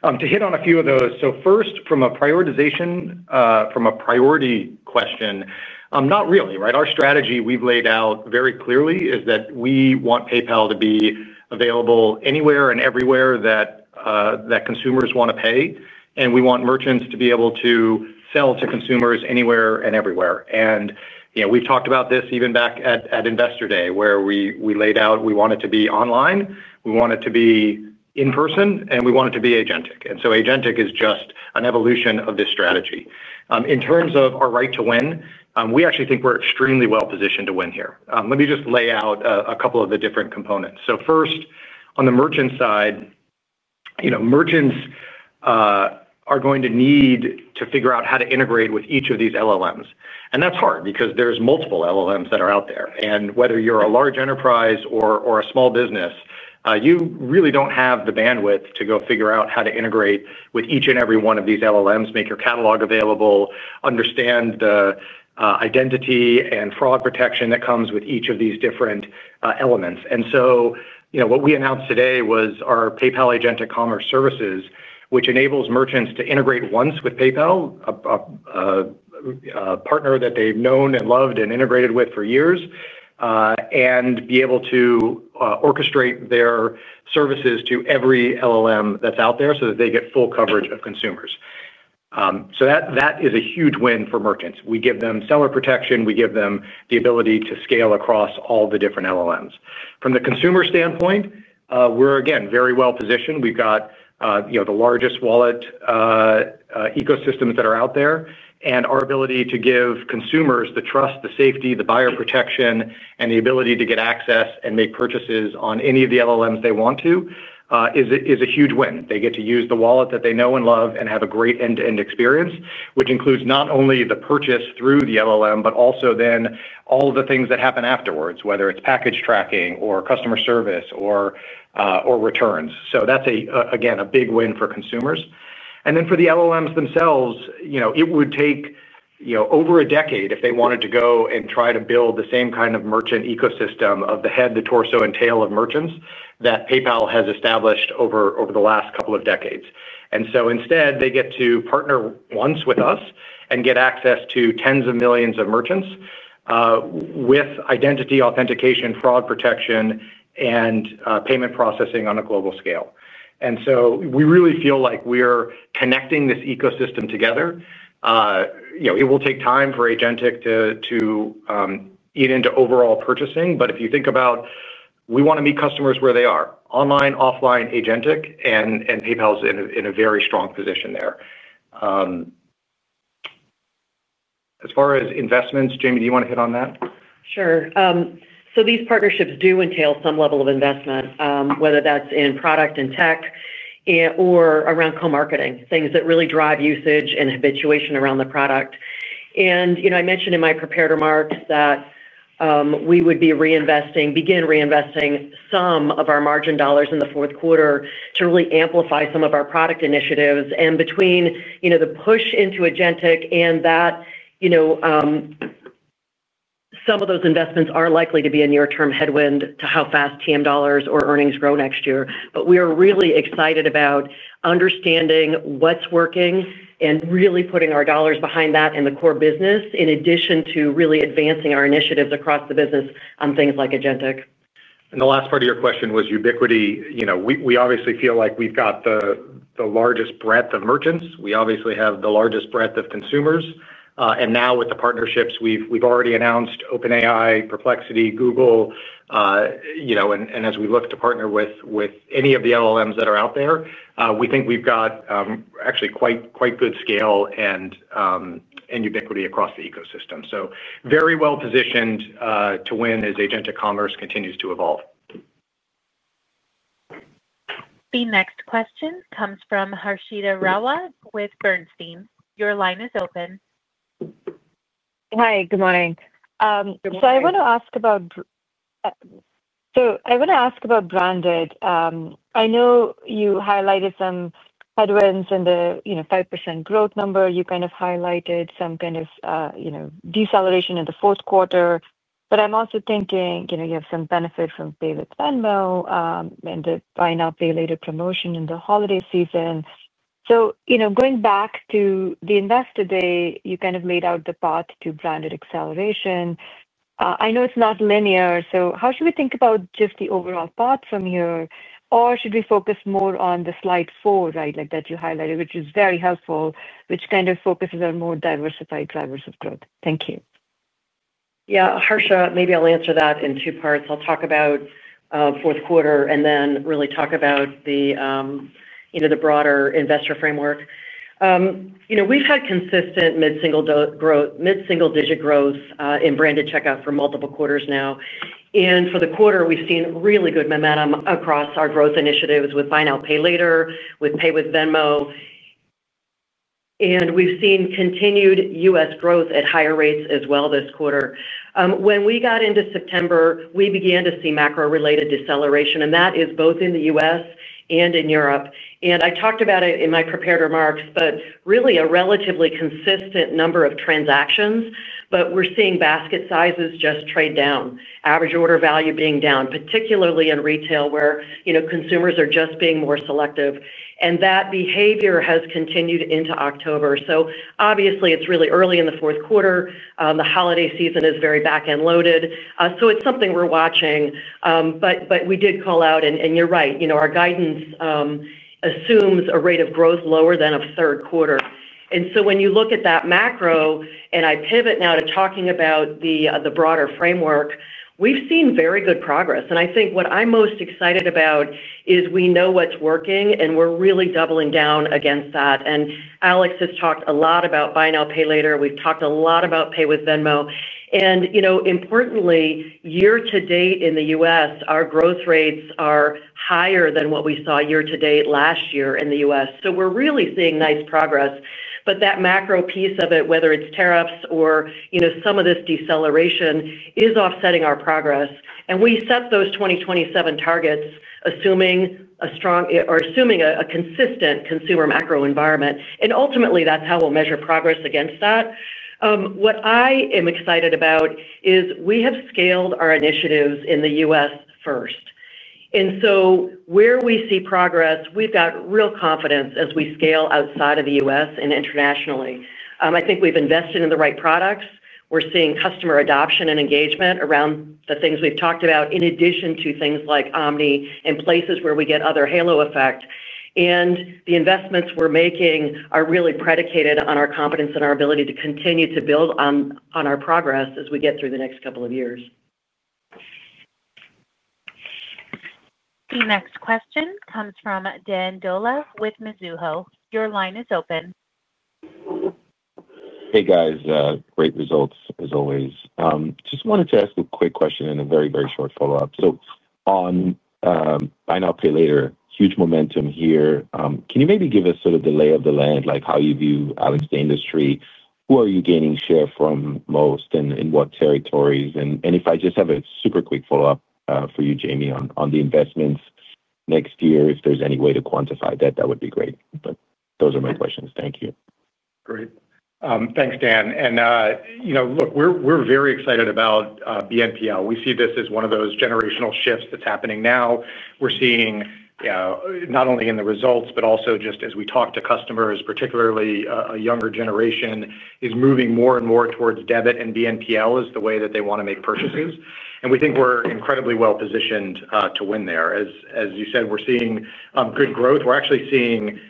To hit on a few of those, first, from a prioritization, from a priority question, not really, right? Our strategy we've laid out very clearly is that we want PayPal to be available anywhere and everywhere that consumers want to pay, and we want merchants to be able to sell to consumers anywhere and everywhere. We've talked about this even back at Investor Day, where we laid out we want it to be online, we want it to be in-person, and we want it to be agentic. Agentic is just an evolution of this strategy. In terms of our right to win, we actually think we're extremely well-positioned to win here. Let me just lay out a couple of the different components. First, on the merchant side, merchants are going to need to figure out how to integrate with each of these LLMs. That's hard because there's multiple LLMs that are out there. Whether you're a large enterprise or a small business, you really don't have the bandwidth to go figure out how to integrate with each and every one of these LLMs, make your catalog available, understand the identity and fraud protection that comes with each of these different elements. What we announced today was our PayPal agentic commerce services, which enables merchants to integrate once with PayPal, a partner that they've known and loved and integrated with for years, and be able to orchestrate their services to every LLM that's out there so that they get full coverage of consumers. That is a huge win for merchants. We give them seller protection. We give them the ability to scale across all the different LLMs. From the consumer standpoint, we're, again, very well-positioned. We've got the largest wallet ecosystems that are out there, and our ability to give consumers the trust, the safety, the buyer protection, and the ability to get access and make purchases on any of the LLMs they want to is a huge win. They get to use the wallet that they know and love and have a great end-to-end experience, which includes not only the purchase through the LLM, but also then all of the things that happen afterwards, whether it's package tracking or customer service or returns. That's, again, a big win for consumers. For the LLMs themselves, it would take over a decade if they wanted to go and try to build the same kind of merchant ecosystem of the head, the torso, and tail of merchants that PayPal has established over the last couple of decades. Instead, they get to partner once with us and get access to tens of millions of merchants with identity authentication, fraud protection, and payment processing on a global scale. We really feel like we are connecting this ecosystem together. It will take time for agentic to eat into overall purchasing, but if you think about it, we want to meet customers where they are: online, offline, agentic, and PayPal is in a very strong position there. As far as investments, Jamie, do you want to hit on that? Sure. These partnerships do entail some level of investment, whether that's in product and tech or around co-marketing, things that really drive usage and habituation around the product. I mentioned in my prepared remarks that we would be reinvesting, begin reinvesting some of our margin dollars in the fourth quarter to really amplify some of our product initiatives. Between the push into agentic and that, some of those investments are likely to be a near-term headwind to how fast TM dollars or earnings grow next year. We are really excited about understanding what's working and really putting our dollars behind that and the core business, in addition to really advancing our initiatives across the business on things like agentic. The last part of your question was ubiquity. We obviously feel like we've got the largest breadth of merchants. We obviously have the largest breadth of consumers. Now with the partnerships, we've already announced OpenAI, Perplexity, Google. As we look to partner with any of the LLMs that are out there, we think we've got actually quite good scale and ubiquity across the ecosystem. We are very well-positioned to win as agentic commerce continues to evolve. The next question comes from Harshita Rawat with Bernstein. Your line is open. Hi, good morning. I want to ask about branded. I know you highlighted some headwinds and the 5% growth number. You highlighted some kind of deceleration in the fourth quarter. I'm also thinking you have some benefit from Pay with Venmo and the Buy Now, Pay Later promotion in the holiday season. Going back to the Investor Day, you laid out the path to branded acceleration. I know it's not linear. How should we think about just the overall path from here? Should we focus more on slide four, right, that you highlighted, which is very helpful, which focuses on more diversified drivers of growth? Thank you. Yeah, Harshita, maybe I'll answer that in two parts. I'll talk about fourth quarter and then really talk about the broader investor framework. We've had consistent mid-single digit growth in branded checkout for multiple quarters now. For the quarter, we've seen really good momentum across our growth initiatives with Buy Now, Pay Later, with Pay with Venmo. We've seen continued U.S. growth at higher rates as well this quarter. When we got into September, we began to see macro-related deceleration, and that is both in the U.S. and in Europe. I talked about it in my prepared remarks, but really a relatively consistent number of transactions. We're seeing basket sizes just trade down, average order value being down, particularly in retail where consumers are just being more selective. That behavior has continued into October. Obviously, it's really early in the fourth quarter. The holiday season is very back-end loaded. It's something we're watching. We did call out, and you're right, our guidance assumes a rate of growth lower than that of third quarter. When you look at that macro, and I pivot now to talking about the broader framework, we've seen very good progress. I think what I'm most excited about is we know what's working, and we're really doubling down against that. Alex has talked a lot about Buy Now, Pay Later. We've talked a lot about Pay with Venmo. Importantly, year-to-date in the U.S., our growth rates are higher than what we saw year-to-date last year in the U.S. We're really seeing nice progress. That macro piece of it, whether it's tariffs or some of this deceleration, is offsetting our progress. We set those 2027 targets, assuming a consistent consumer macro environment. Ultimately, that's how we'll measure progress against that. What I am excited about is we have scaled our initiatives in the U.S. first. Where we see progress, we've got real confidence as we scale outside of the U.S. and internationally. I think we've invested in the right products. We're seeing customer adoption and engagement around the things we've talked about, in addition to things like omnichannel initiatives and places where we get other halo effect. The investments we're making are really predicated on our confidence and our ability to continue to build on our progress as we get through the next couple of years. The next question comes from Dan Dolev with Mizuho. Your line is open. Hey, guys. Great results, as always. Just wanted to ask a quick question in a very, very short follow-up. On Buy Now, Pay Later, huge momentum here. Can you maybe give us sort of the lay of the land, like how you view, Alex, the industry? Who are you gaining share from most and in what territories? I just have a super quick follow-up for you, Jamie, on the investments next year. If there's any way to quantify that, that would be great. Those are my questions. Thank you. Great. Thanks, Dan. Look, we're very excited about BNPL. We see this as one of those generational shifts that's happening now. We're seeing not only in the results, but also just as we talk to customers, particularly a younger generation is moving more and more towards debit and BNPL as the way that they want to make purchases. We think we're incredibly well-positioned to win there. As you said, we're seeing good growth. We're actually seeing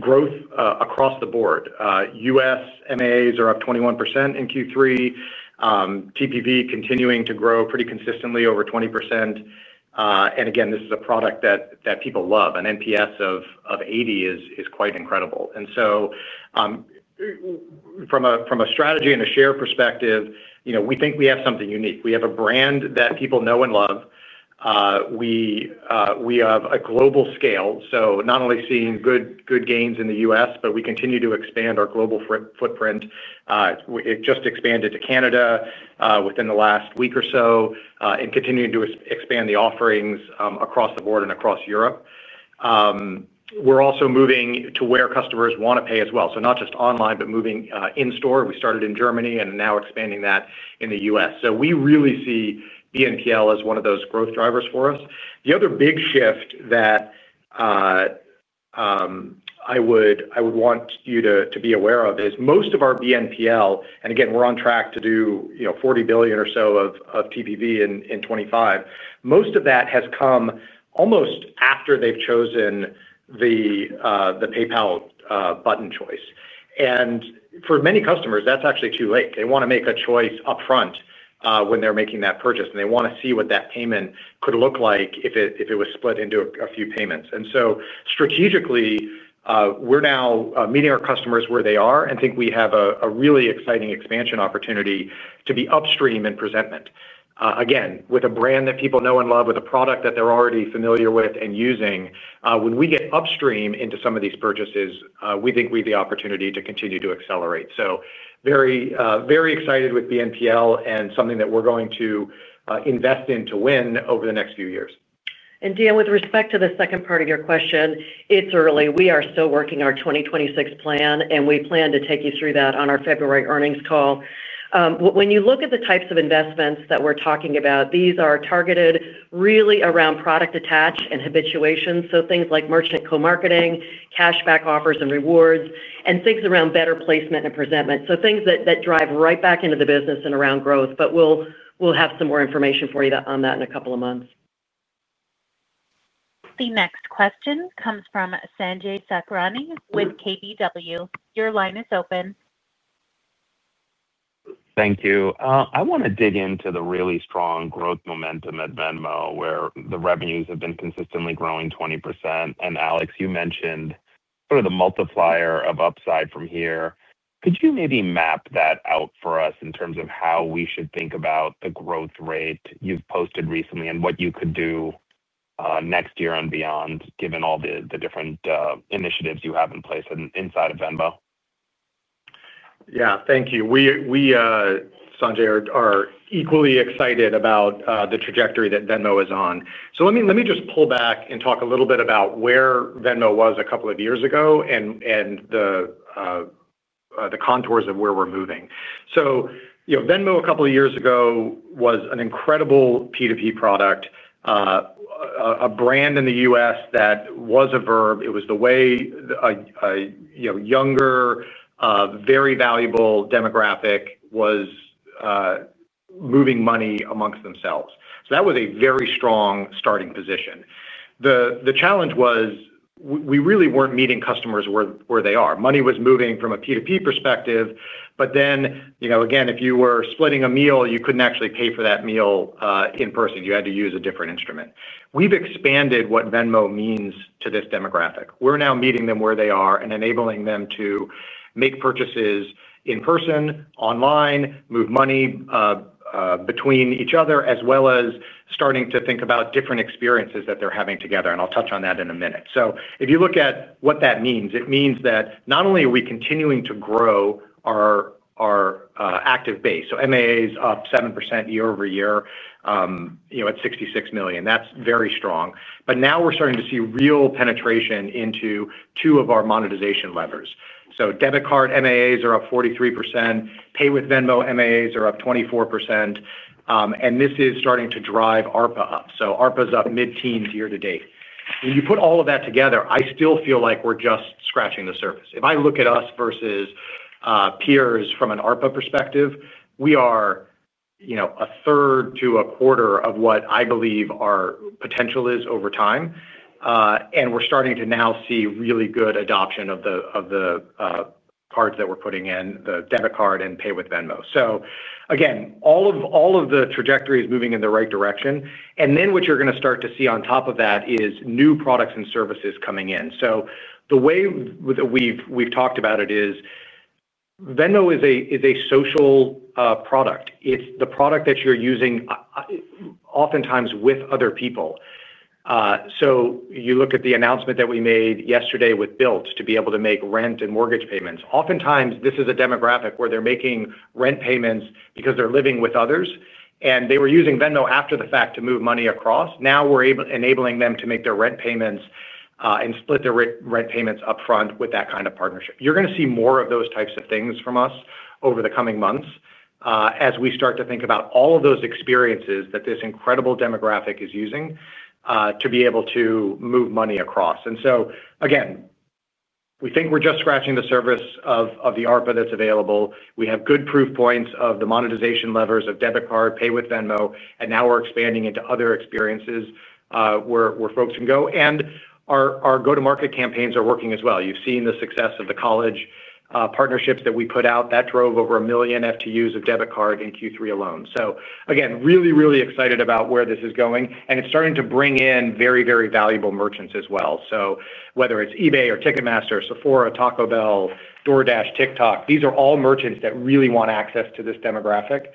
growth across the board. U.S. MAs are up 21% in Q3. TPV continuing to grow pretty consistently over 20%. This is a product that people love. An NPS of 80 is quite incredible. From a strategy and a share perspective, we think we have something unique. We have a brand that people know and love. We have a global scale. Not only seeing good gains in the U.S., but we continue to expand our global footprint. It just expanded to Canada within the last week or so and continuing to expand the offerings across the board and across Europe. We're also moving to where customers want to pay as well, not just online, but moving in store. We started in Germany and are now expanding that in the U.S. We really see BNPL as one of those growth drivers for us. The other big shift that I would want you to be aware of is most of our BNPL, and again, we're on track to do $40 billion or so of TPV in 2025. Most of that has come almost after they've chosen the PayPal button choice. For many customers, that's actually too late. They want to make a choice upfront when they're making that purchase, and they want to see what that payment could look like if it was split into a few payments. Strategically, we're now meeting our customers where they are, and think we have a really exciting expansion opportunity to be upstream in presentment. Again, with a brand that people know and love, with a product that they're already familiar with and using, when we get upstream into some of these purchases, we think we have the opportunity to continue to accelerate. Very, very excited with BNPL and something that we're going to invest in to win over the next few years. Dan, with respect to the second part of your question, it's early. We are still working our 2026 plan, and we plan to take you through that on our February earnings call. When you look at the types of investments that we're talking about, these are targeted really around product attach and habituation. Things like merchant co-marketing, cashback offers, and rewards, and things around better placement and presentment drive right back into the business and around growth. We'll have some more information for you on that in a couple of months. The next question comes from Sanjay Sakhrani with KBW. Your line is open. Thank you. I want to dig into the really strong growth momentum at Venmo, where the revenues have been consistently growing 20%. Alex, you mentioned sort of the multiplier of upside from here. Could you maybe map that out for us in terms of how we should think about the growth rate you've posted recently and what you could do next year and beyond, given all the different initiatives you have in place inside of Venmo? Yeah, thank you. We, Sanjay, are equally excited about the trajectory that Venmo is on. Let me just pull back and talk a little bit about where Venmo was a couple of years ago and the contours of where we're moving. Venmo a couple of years ago was an incredible P2P product, a brand in the U.S. that was a verb. It was the way a younger, very valuable demographic was moving money amongst themselves. That was a very strong starting position. The challenge was we really weren't meeting customers where they are. Money was moving from a P2P perspective, but if you were splitting a meal, you couldn't actually pay for that meal in person. You had to use a different instrument. We've expanded what Venmo means to this demographic. We're now meeting them where they are and enabling them to make purchases in person, online, move money between each other, as well as starting to think about different experiences that they're having together. I'll touch on that in a minute. If you look at what that means, it means that not only are we continuing to grow our active base, so MA is up 7% year-over-year at 66 million. That's very strong. Now we're starting to see real penetration into two of our monetization levers. Debit card MAs are up 43%. Pay with Venmo MAs are up 24%. This is starting to drive ARPA up. ARPA is up mid-teens year-to-date. When you put all of that together, I still feel like we're just scratching the surface. If I look at us versus peers from an ARPA perspective, we are 1/3-1/4 of what I believe our potential is over time. We're starting to now see really good adoption of the cards that we're putting in, the debit card and Pay with Venmo. All of the trajectory is moving in the right direction. What you're going to start to see on top of that is new products and services coming in. The way that we've talked about it is Venmo is a social product. It's the product that you're using oftentimes with other people. You look at the announcement that we made yesterday with Built to be able to make rent and mortgage payments. Oftentimes, this is a demographic where they're making rent payments because they're living with others. They were using Venmo after the fact to move money across. Now we're enabling them to make their rent payments and split their rent payments upfront with that kind of partnership. You are going to see more of those types of things from us over the coming months as we start to think about all of those experiences that this incredible demographic is using to be able to move money across. We think we are just scratching the surface of the ARPA that is available. We have good proof points of the monetization levers of debit card, Pay with Venmo, and now we are expanding into other experiences where folks can go. Our go-to-market campaigns are working as well. You have seen the success of the college partnerships that we put out that drove over 1 million FTUs of debit card in Q3 alone. We are really, really excited about where this is going. It is starting to bring in very, very valuable merchants as well. Whether it is eBay or Ticketmaster, Sephora, Taco Bell, DoorDash, TikTok, these are all merchants that really want access to this demographic.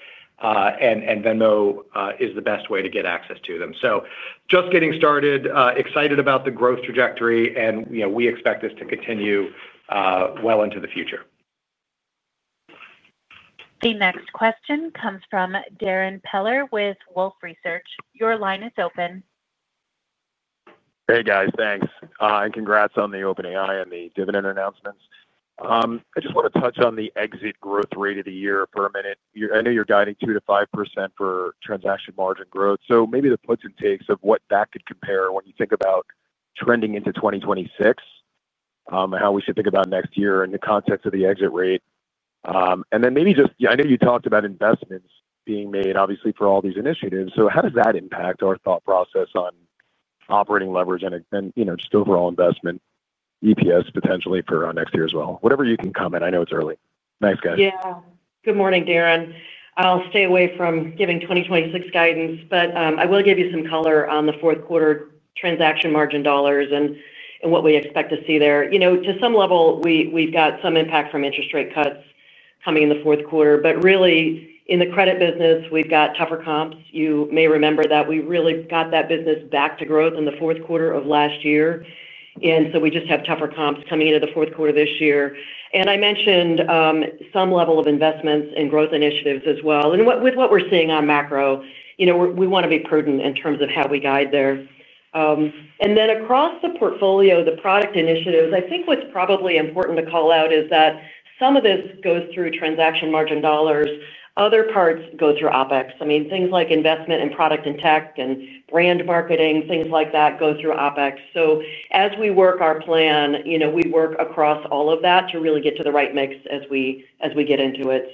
Venmo is the best way to get access to them. We are just getting started, excited about the growth trajectory, and we expect this to continue well into the future. The next question comes from Darrin Peller with Wolfe Research. Your line is open. Hey, guys. Thanks, and congrats on the OpenAI and the dividend announcements. I just want to touch on the exit growth rate of the year for a minute. I know you're guiding 2%-5% for transaction margin growth. Maybe the puts and takes of what that could compare when you think about trending into 2026 and how we should think about next year in the context of the exit rate. I know you talked about investments being made, obviously, for all these initiatives. How does that impact our thought process on operating leverage and just overall investment EPS potentially for our next year as well? Whatever you can comment. I know it's early. Thanks, guys. Yeah. Good morning, Darren. I'll stay away from giving 2026 guidance, but I will give you some color on the fourth quarter transaction margin dollars and what we expect to see there. You know, to some level, we've got some impact from interest rate cuts coming in the fourth quarter. In the credit business, we've got tougher comps. You may remember that we really got that business back to growth in the fourth quarter of last year, and we just have tougher comps coming into the fourth quarter this year. I mentioned some level of investments in growth initiatives as well. With what we're seeing on macro, you know, we want to be prudent in terms of how we guide there. Across the portfolio, the product initiatives, I think what's probably important to call out is that some of this goes through transaction margin dollars. Other parts go through OpEx. Things like investment in product and tech and brand marketing, things like that go through OpEx. As we work our plan, you know, we work across all of that to really get to the right mix as we get into it.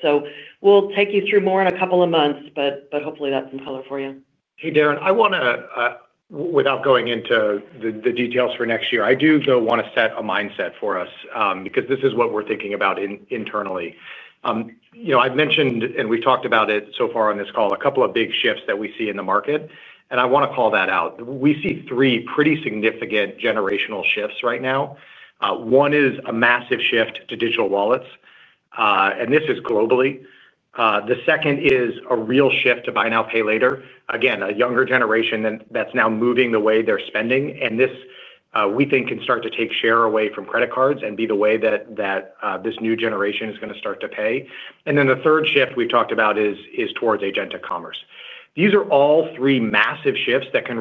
We'll take you through more in a couple of months, but hopefully, that's some color for you. Hey, Darrin. I want to, without going into the details for next year, I do though want to set a mindset for us because this is what we're thinking about internally. You know, I've mentioned, and we've talked about it so far on this call, a couple of big shifts that we see in the market. I want to call that out. We see three pretty significant generational shifts right now. One is a massive shift to digital wallets, and this is globally. The second is a real shift to Buy Now, Pay Later. Again, a younger generation that's now moving the way they're spending. This, we think, can start to take share away from credit cards and be the way that this new generation is going to start to pay. The third shift we've talked about is towards agentic commerce. These are all three massive shifts that can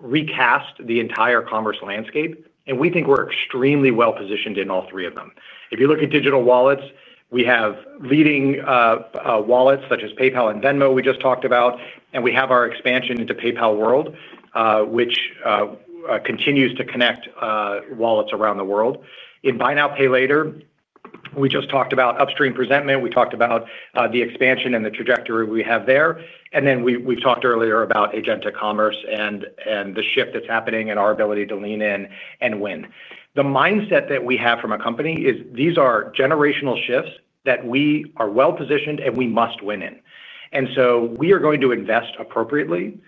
recast the entire commerce landscape. We think we're extremely well-positioned in all three of them. If you look at digital wallets, we have leading wallets such as PayPal and Venmo we just talked about, and we have our expansion into PayPal World, which continues to connect wallets around the world. In Buy Now, Pay Later, we just talked about upstream presentment. We talked about the expansion and the trajectory we have there. We've talked earlier about agentic commerce and the shift that's happening in our ability to lean in and win. The mindset that we have from a company is these are generational shifts that we are well-positioned and we must win in. We are going to invest appropriately.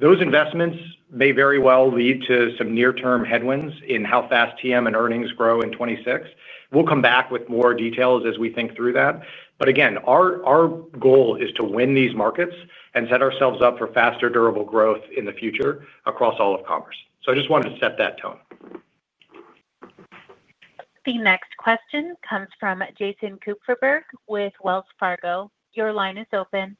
Those investments may very well lead to some near-term headwinds in how fast transaction margin dollars and earnings grow in 2026. We'll come back with more details as we think through that. Our goal is to win these markets and set ourselves up for faster, durable growth in the future across all of commerce. I just wanted to set that tone. The next question comes from Jason Kupferberg with Wells Fargo. Your line is open.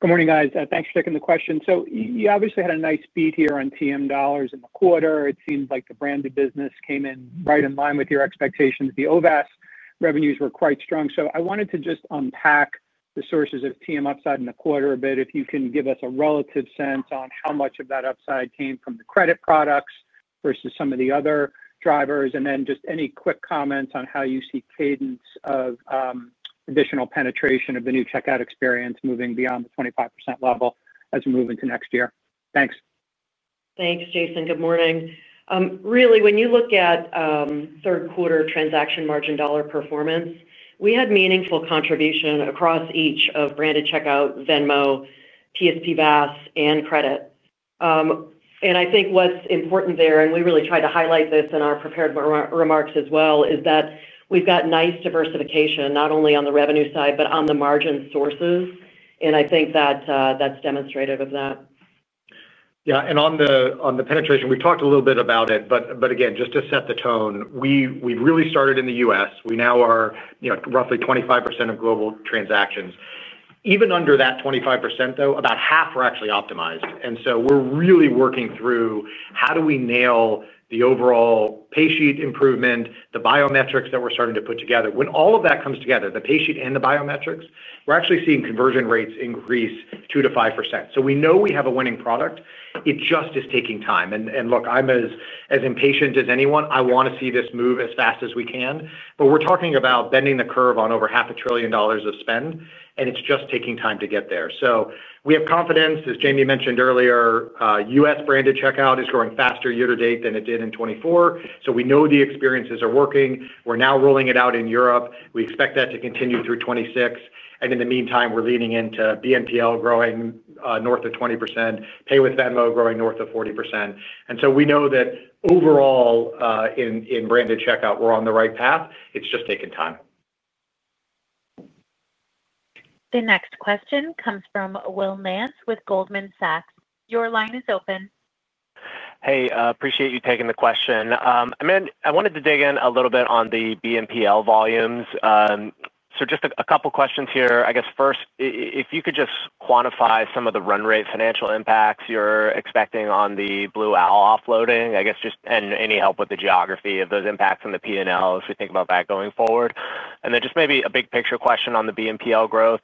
Good morning, guys. Thanks for taking the question. You obviously had a nice beat here on transaction margin dollars in the quarter. It seems like the branded business came in right in line with your expectations. The OWAS revenues were quite strong. I wanted to just unpack the sources of transaction margin upside in the quarter a bit. If you can give us a relative sense on how much of that upside came from the credit products versus some of the other drivers, and then just any quick comments on how you see cadence of additional penetration of the new checkout experience moving beyond the 25% level as we move into next year. Thanks. Thanks, Jason. Good morning. Really, when you look at third quarter transaction margin dollar performance, we had meaningful contribution across each of branded checkout, Venmo, PSPVAS, and credit. What's important there, and we really tried to highlight this in our prepared remarks as well, is that we've got nice diversification not only on the revenue side, but on the margin sources. I think that's demonstrative of that. Yeah. On the penetration, we've talked a little bit about it. Just to set the tone, we really started in the U.S. We now are roughly 25% of global transactions. Even under that 25%, though, about half are actually optimized. We're really working through how do we nail the overall pay sheet improvement, the biometrics that we're starting to put together. When all of that comes together, the pay sheet and the biometrics, we're actually seeing conversion rates increase 2%-5%. We know we have a winning product. It just is taking time. I'm as impatient as anyone. I want to see this move as fast as we can. We're talking about bending the curve on over $0.5 trillion of spend, and it's just taking time to get there. We have confidence, as Jamie mentioned earlier, U.S. branded checkout is growing faster year-to-date than it did in 2024. We know the experiences are working. We're now rolling it out in Europe. We expect that to continue through 2026. In the meantime, we're leaning into BNPL growing north of 20%, Pay with Venmo growing north of 40%. We know that overall in branded checkout, we're on the right path. It's just taking time. The next question comes from Will Nance with Goldman Sachs. Your line is open. Hey, I appreciate you taking the question. I wanted to dig in a little bit on the BNPL volumes. Just a couple of questions here. I guess first, if you could just quantify some of the run rate financial impacts you're expecting on the Blue Owl offloading, just any help with the geography of those impacts on the P&L if we think about that going forward. Maybe a big picture question on the BNPL growth.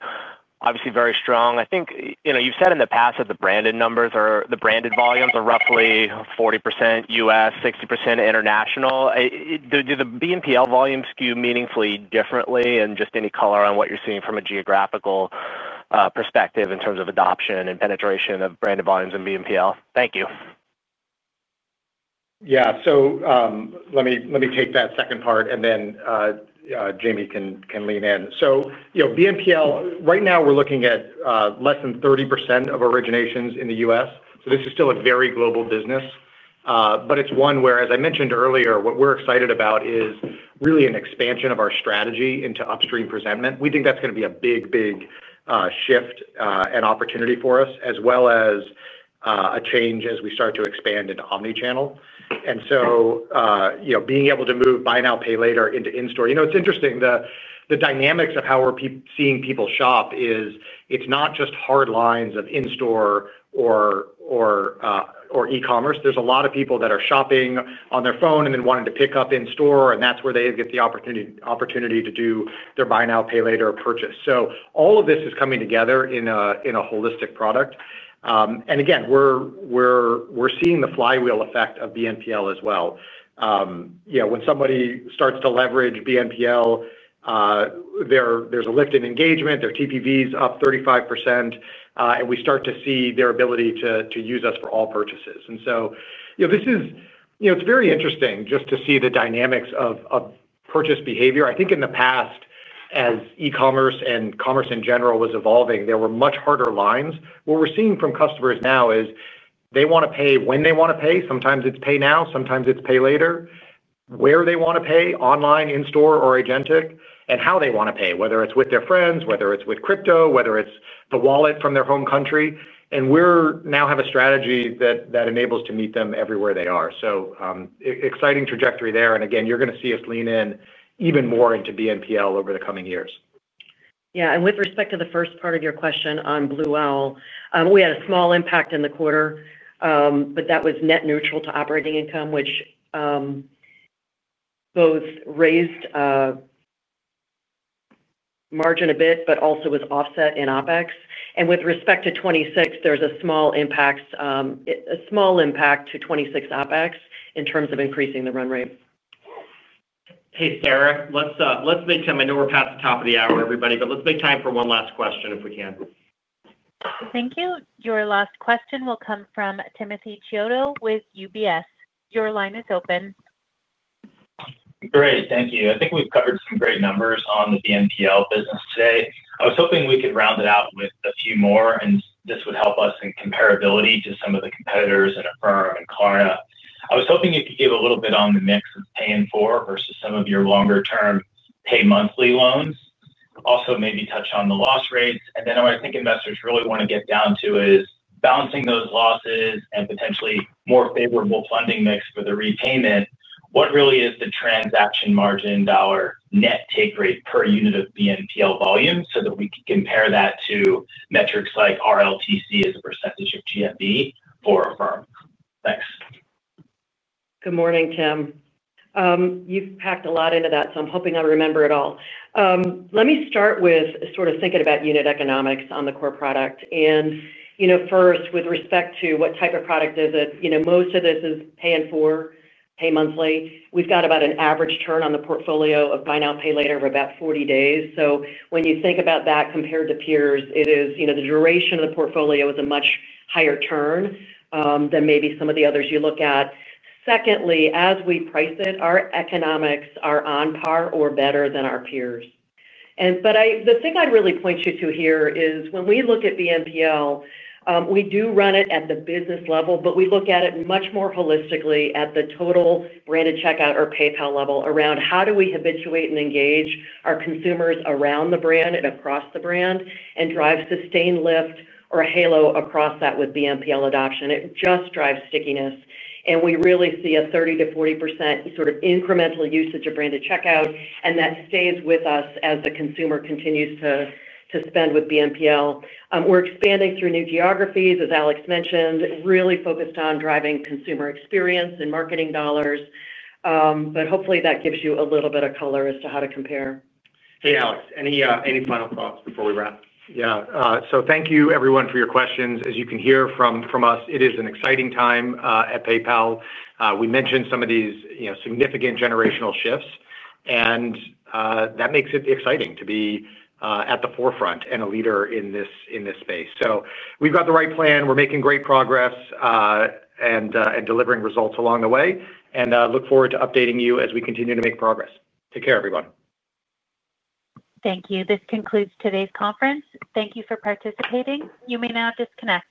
Obviously, very strong. I think you've said in the past that the branded numbers or the branded volumes are roughly 40% U.S., 60% international. Do the BNPL volumes skew meaningfully differently? Any color on what you're seeing from a geographical perspective in terms of adoption and penetration of branded volumes in BNPL? Thank you. Yeah. Let me take that second part, and then Jamie can lean in. BNPL, right now, we're looking at less than 30% of originations in the U.S. This is still a very global business. It's one where, as I mentioned earlier, what we're excited about is really an expansion of our strategy into upstream presentment. We think that's going to be a big, big shift and opportunity for us, as well as a change as we start to expand into omnichannel. Being able to move Buy Now, Pay Later into in-store, you know, it's interesting. The dynamics of how we're seeing people shop is it's not just hard lines of in-store or e-commerce. There are a lot of people that are shopping on their phone and then wanting to pick up in-store, and that's where they get the opportunity to do their Buy Now, Pay Later purchase. All of this is coming together in a holistic product. Again, we're seeing the flywheel effect of BNPL as well. When somebody starts to leverage BNPL, there's a lift in engagement. Their TPV is up 35%, and we start to see their ability to use us for all purchases. This is, you know, it's very interesting just to see the dynamics of purchase behavior. I think in the past, as e-commerce and commerce in general was evolving, there were much harder lines. What we're seeing from customers now is they want to pay when they want to pay. Sometimes it's pay now. Sometimes it's pay later. Where they want to pay, online, in-store, or agentic, and how they want to pay, whether it's with their friends, whether it's with crypto, whether it's the wallet from their home country. We now have a strategy that enables us to meet them everywhere they are. Exciting trajectory there. Again, you're going to see us lean in even more into BNPL over the coming years. Yeah. With respect to the first part of your question on Blue Owl, we had a small impact in the quarter, but that was net neutral to operating income, which both raised margin a bit, but also was offset in OpEx. With respect to 2026, there's a small impact to 2026 OpEx in terms of increasing the run rate. Hey Sarah, let's make time. I know we're past the top of the hour, everybody, but let's make time for one last question if we can. Thank you. Your last question will come from Timothy Chiodo with UBS. Your line is open. Great. Thank you. I think we've covered some great numbers on the BNPL business today. I was hoping we could round it out with a few more, and this would help us in comparability to some of the competitors in Affirm and Carta. I was hoping you could give a little bit on the mix of paying for versus some of your longer-term pay monthly loans. Also, maybe touch on the loss rates. What I think investors really want to get down to is balancing those losses and potentially more favorable funding mix for the repayment. What really is the transaction margin dollar net take rate per unit of BNPL volume so that we can compare that to metrics like RLTC as a [percent] of GMV for Affirm? Thanks. Good morning, Tim. You've packed a lot into that, so I'm hoping I remember it all. Let me start with sort of thinking about unit economics on the core product. First, with respect to what type of product is it, most of this is paying for, pay monthly. We've got about an average turn on the portfolio of Buy Now, Pay Later of about 40 days. When you think about that compared to peers, the duration of the portfolio is a much higher turn than maybe some of the others you look at. Secondly, as we price it, our economics are on par or better than our peers. The thing I'd really point you to here is when we look at BNPL, we do run it at the business level, but we look at it much more holistically at the total branded checkout or PayPal level around how do we habituate and engage our consumers around the brand and across the brand and drive sustained lift or a halo across that with BNPL adoption. It just drives stickiness. We really see. 30%-40% sort of incremental usage of branded checkout, and that stays with us as the consumer continues to spend with BNPL. We're expanding through new geographies, as Alex mentioned, really focused on driving consumer experience and marketing dollars. Hopefully, that gives you a little bit of color as to how to compare. Hey, Alex. Any final thoughts before we wrap? Thank you, everyone, for your questions. As you can hear from us, it is an exciting time at PayPal. We mentioned some of these significant generational shifts, and that makes it exciting to be at the forefront and a leader in this space. We have got the right plan. We are making great progress and delivering results along the way. I look forward to updating you as we continue to make progress. Take care, everyone. Thank you. This concludes today's conference. Thank you for participating. You may now disconnect.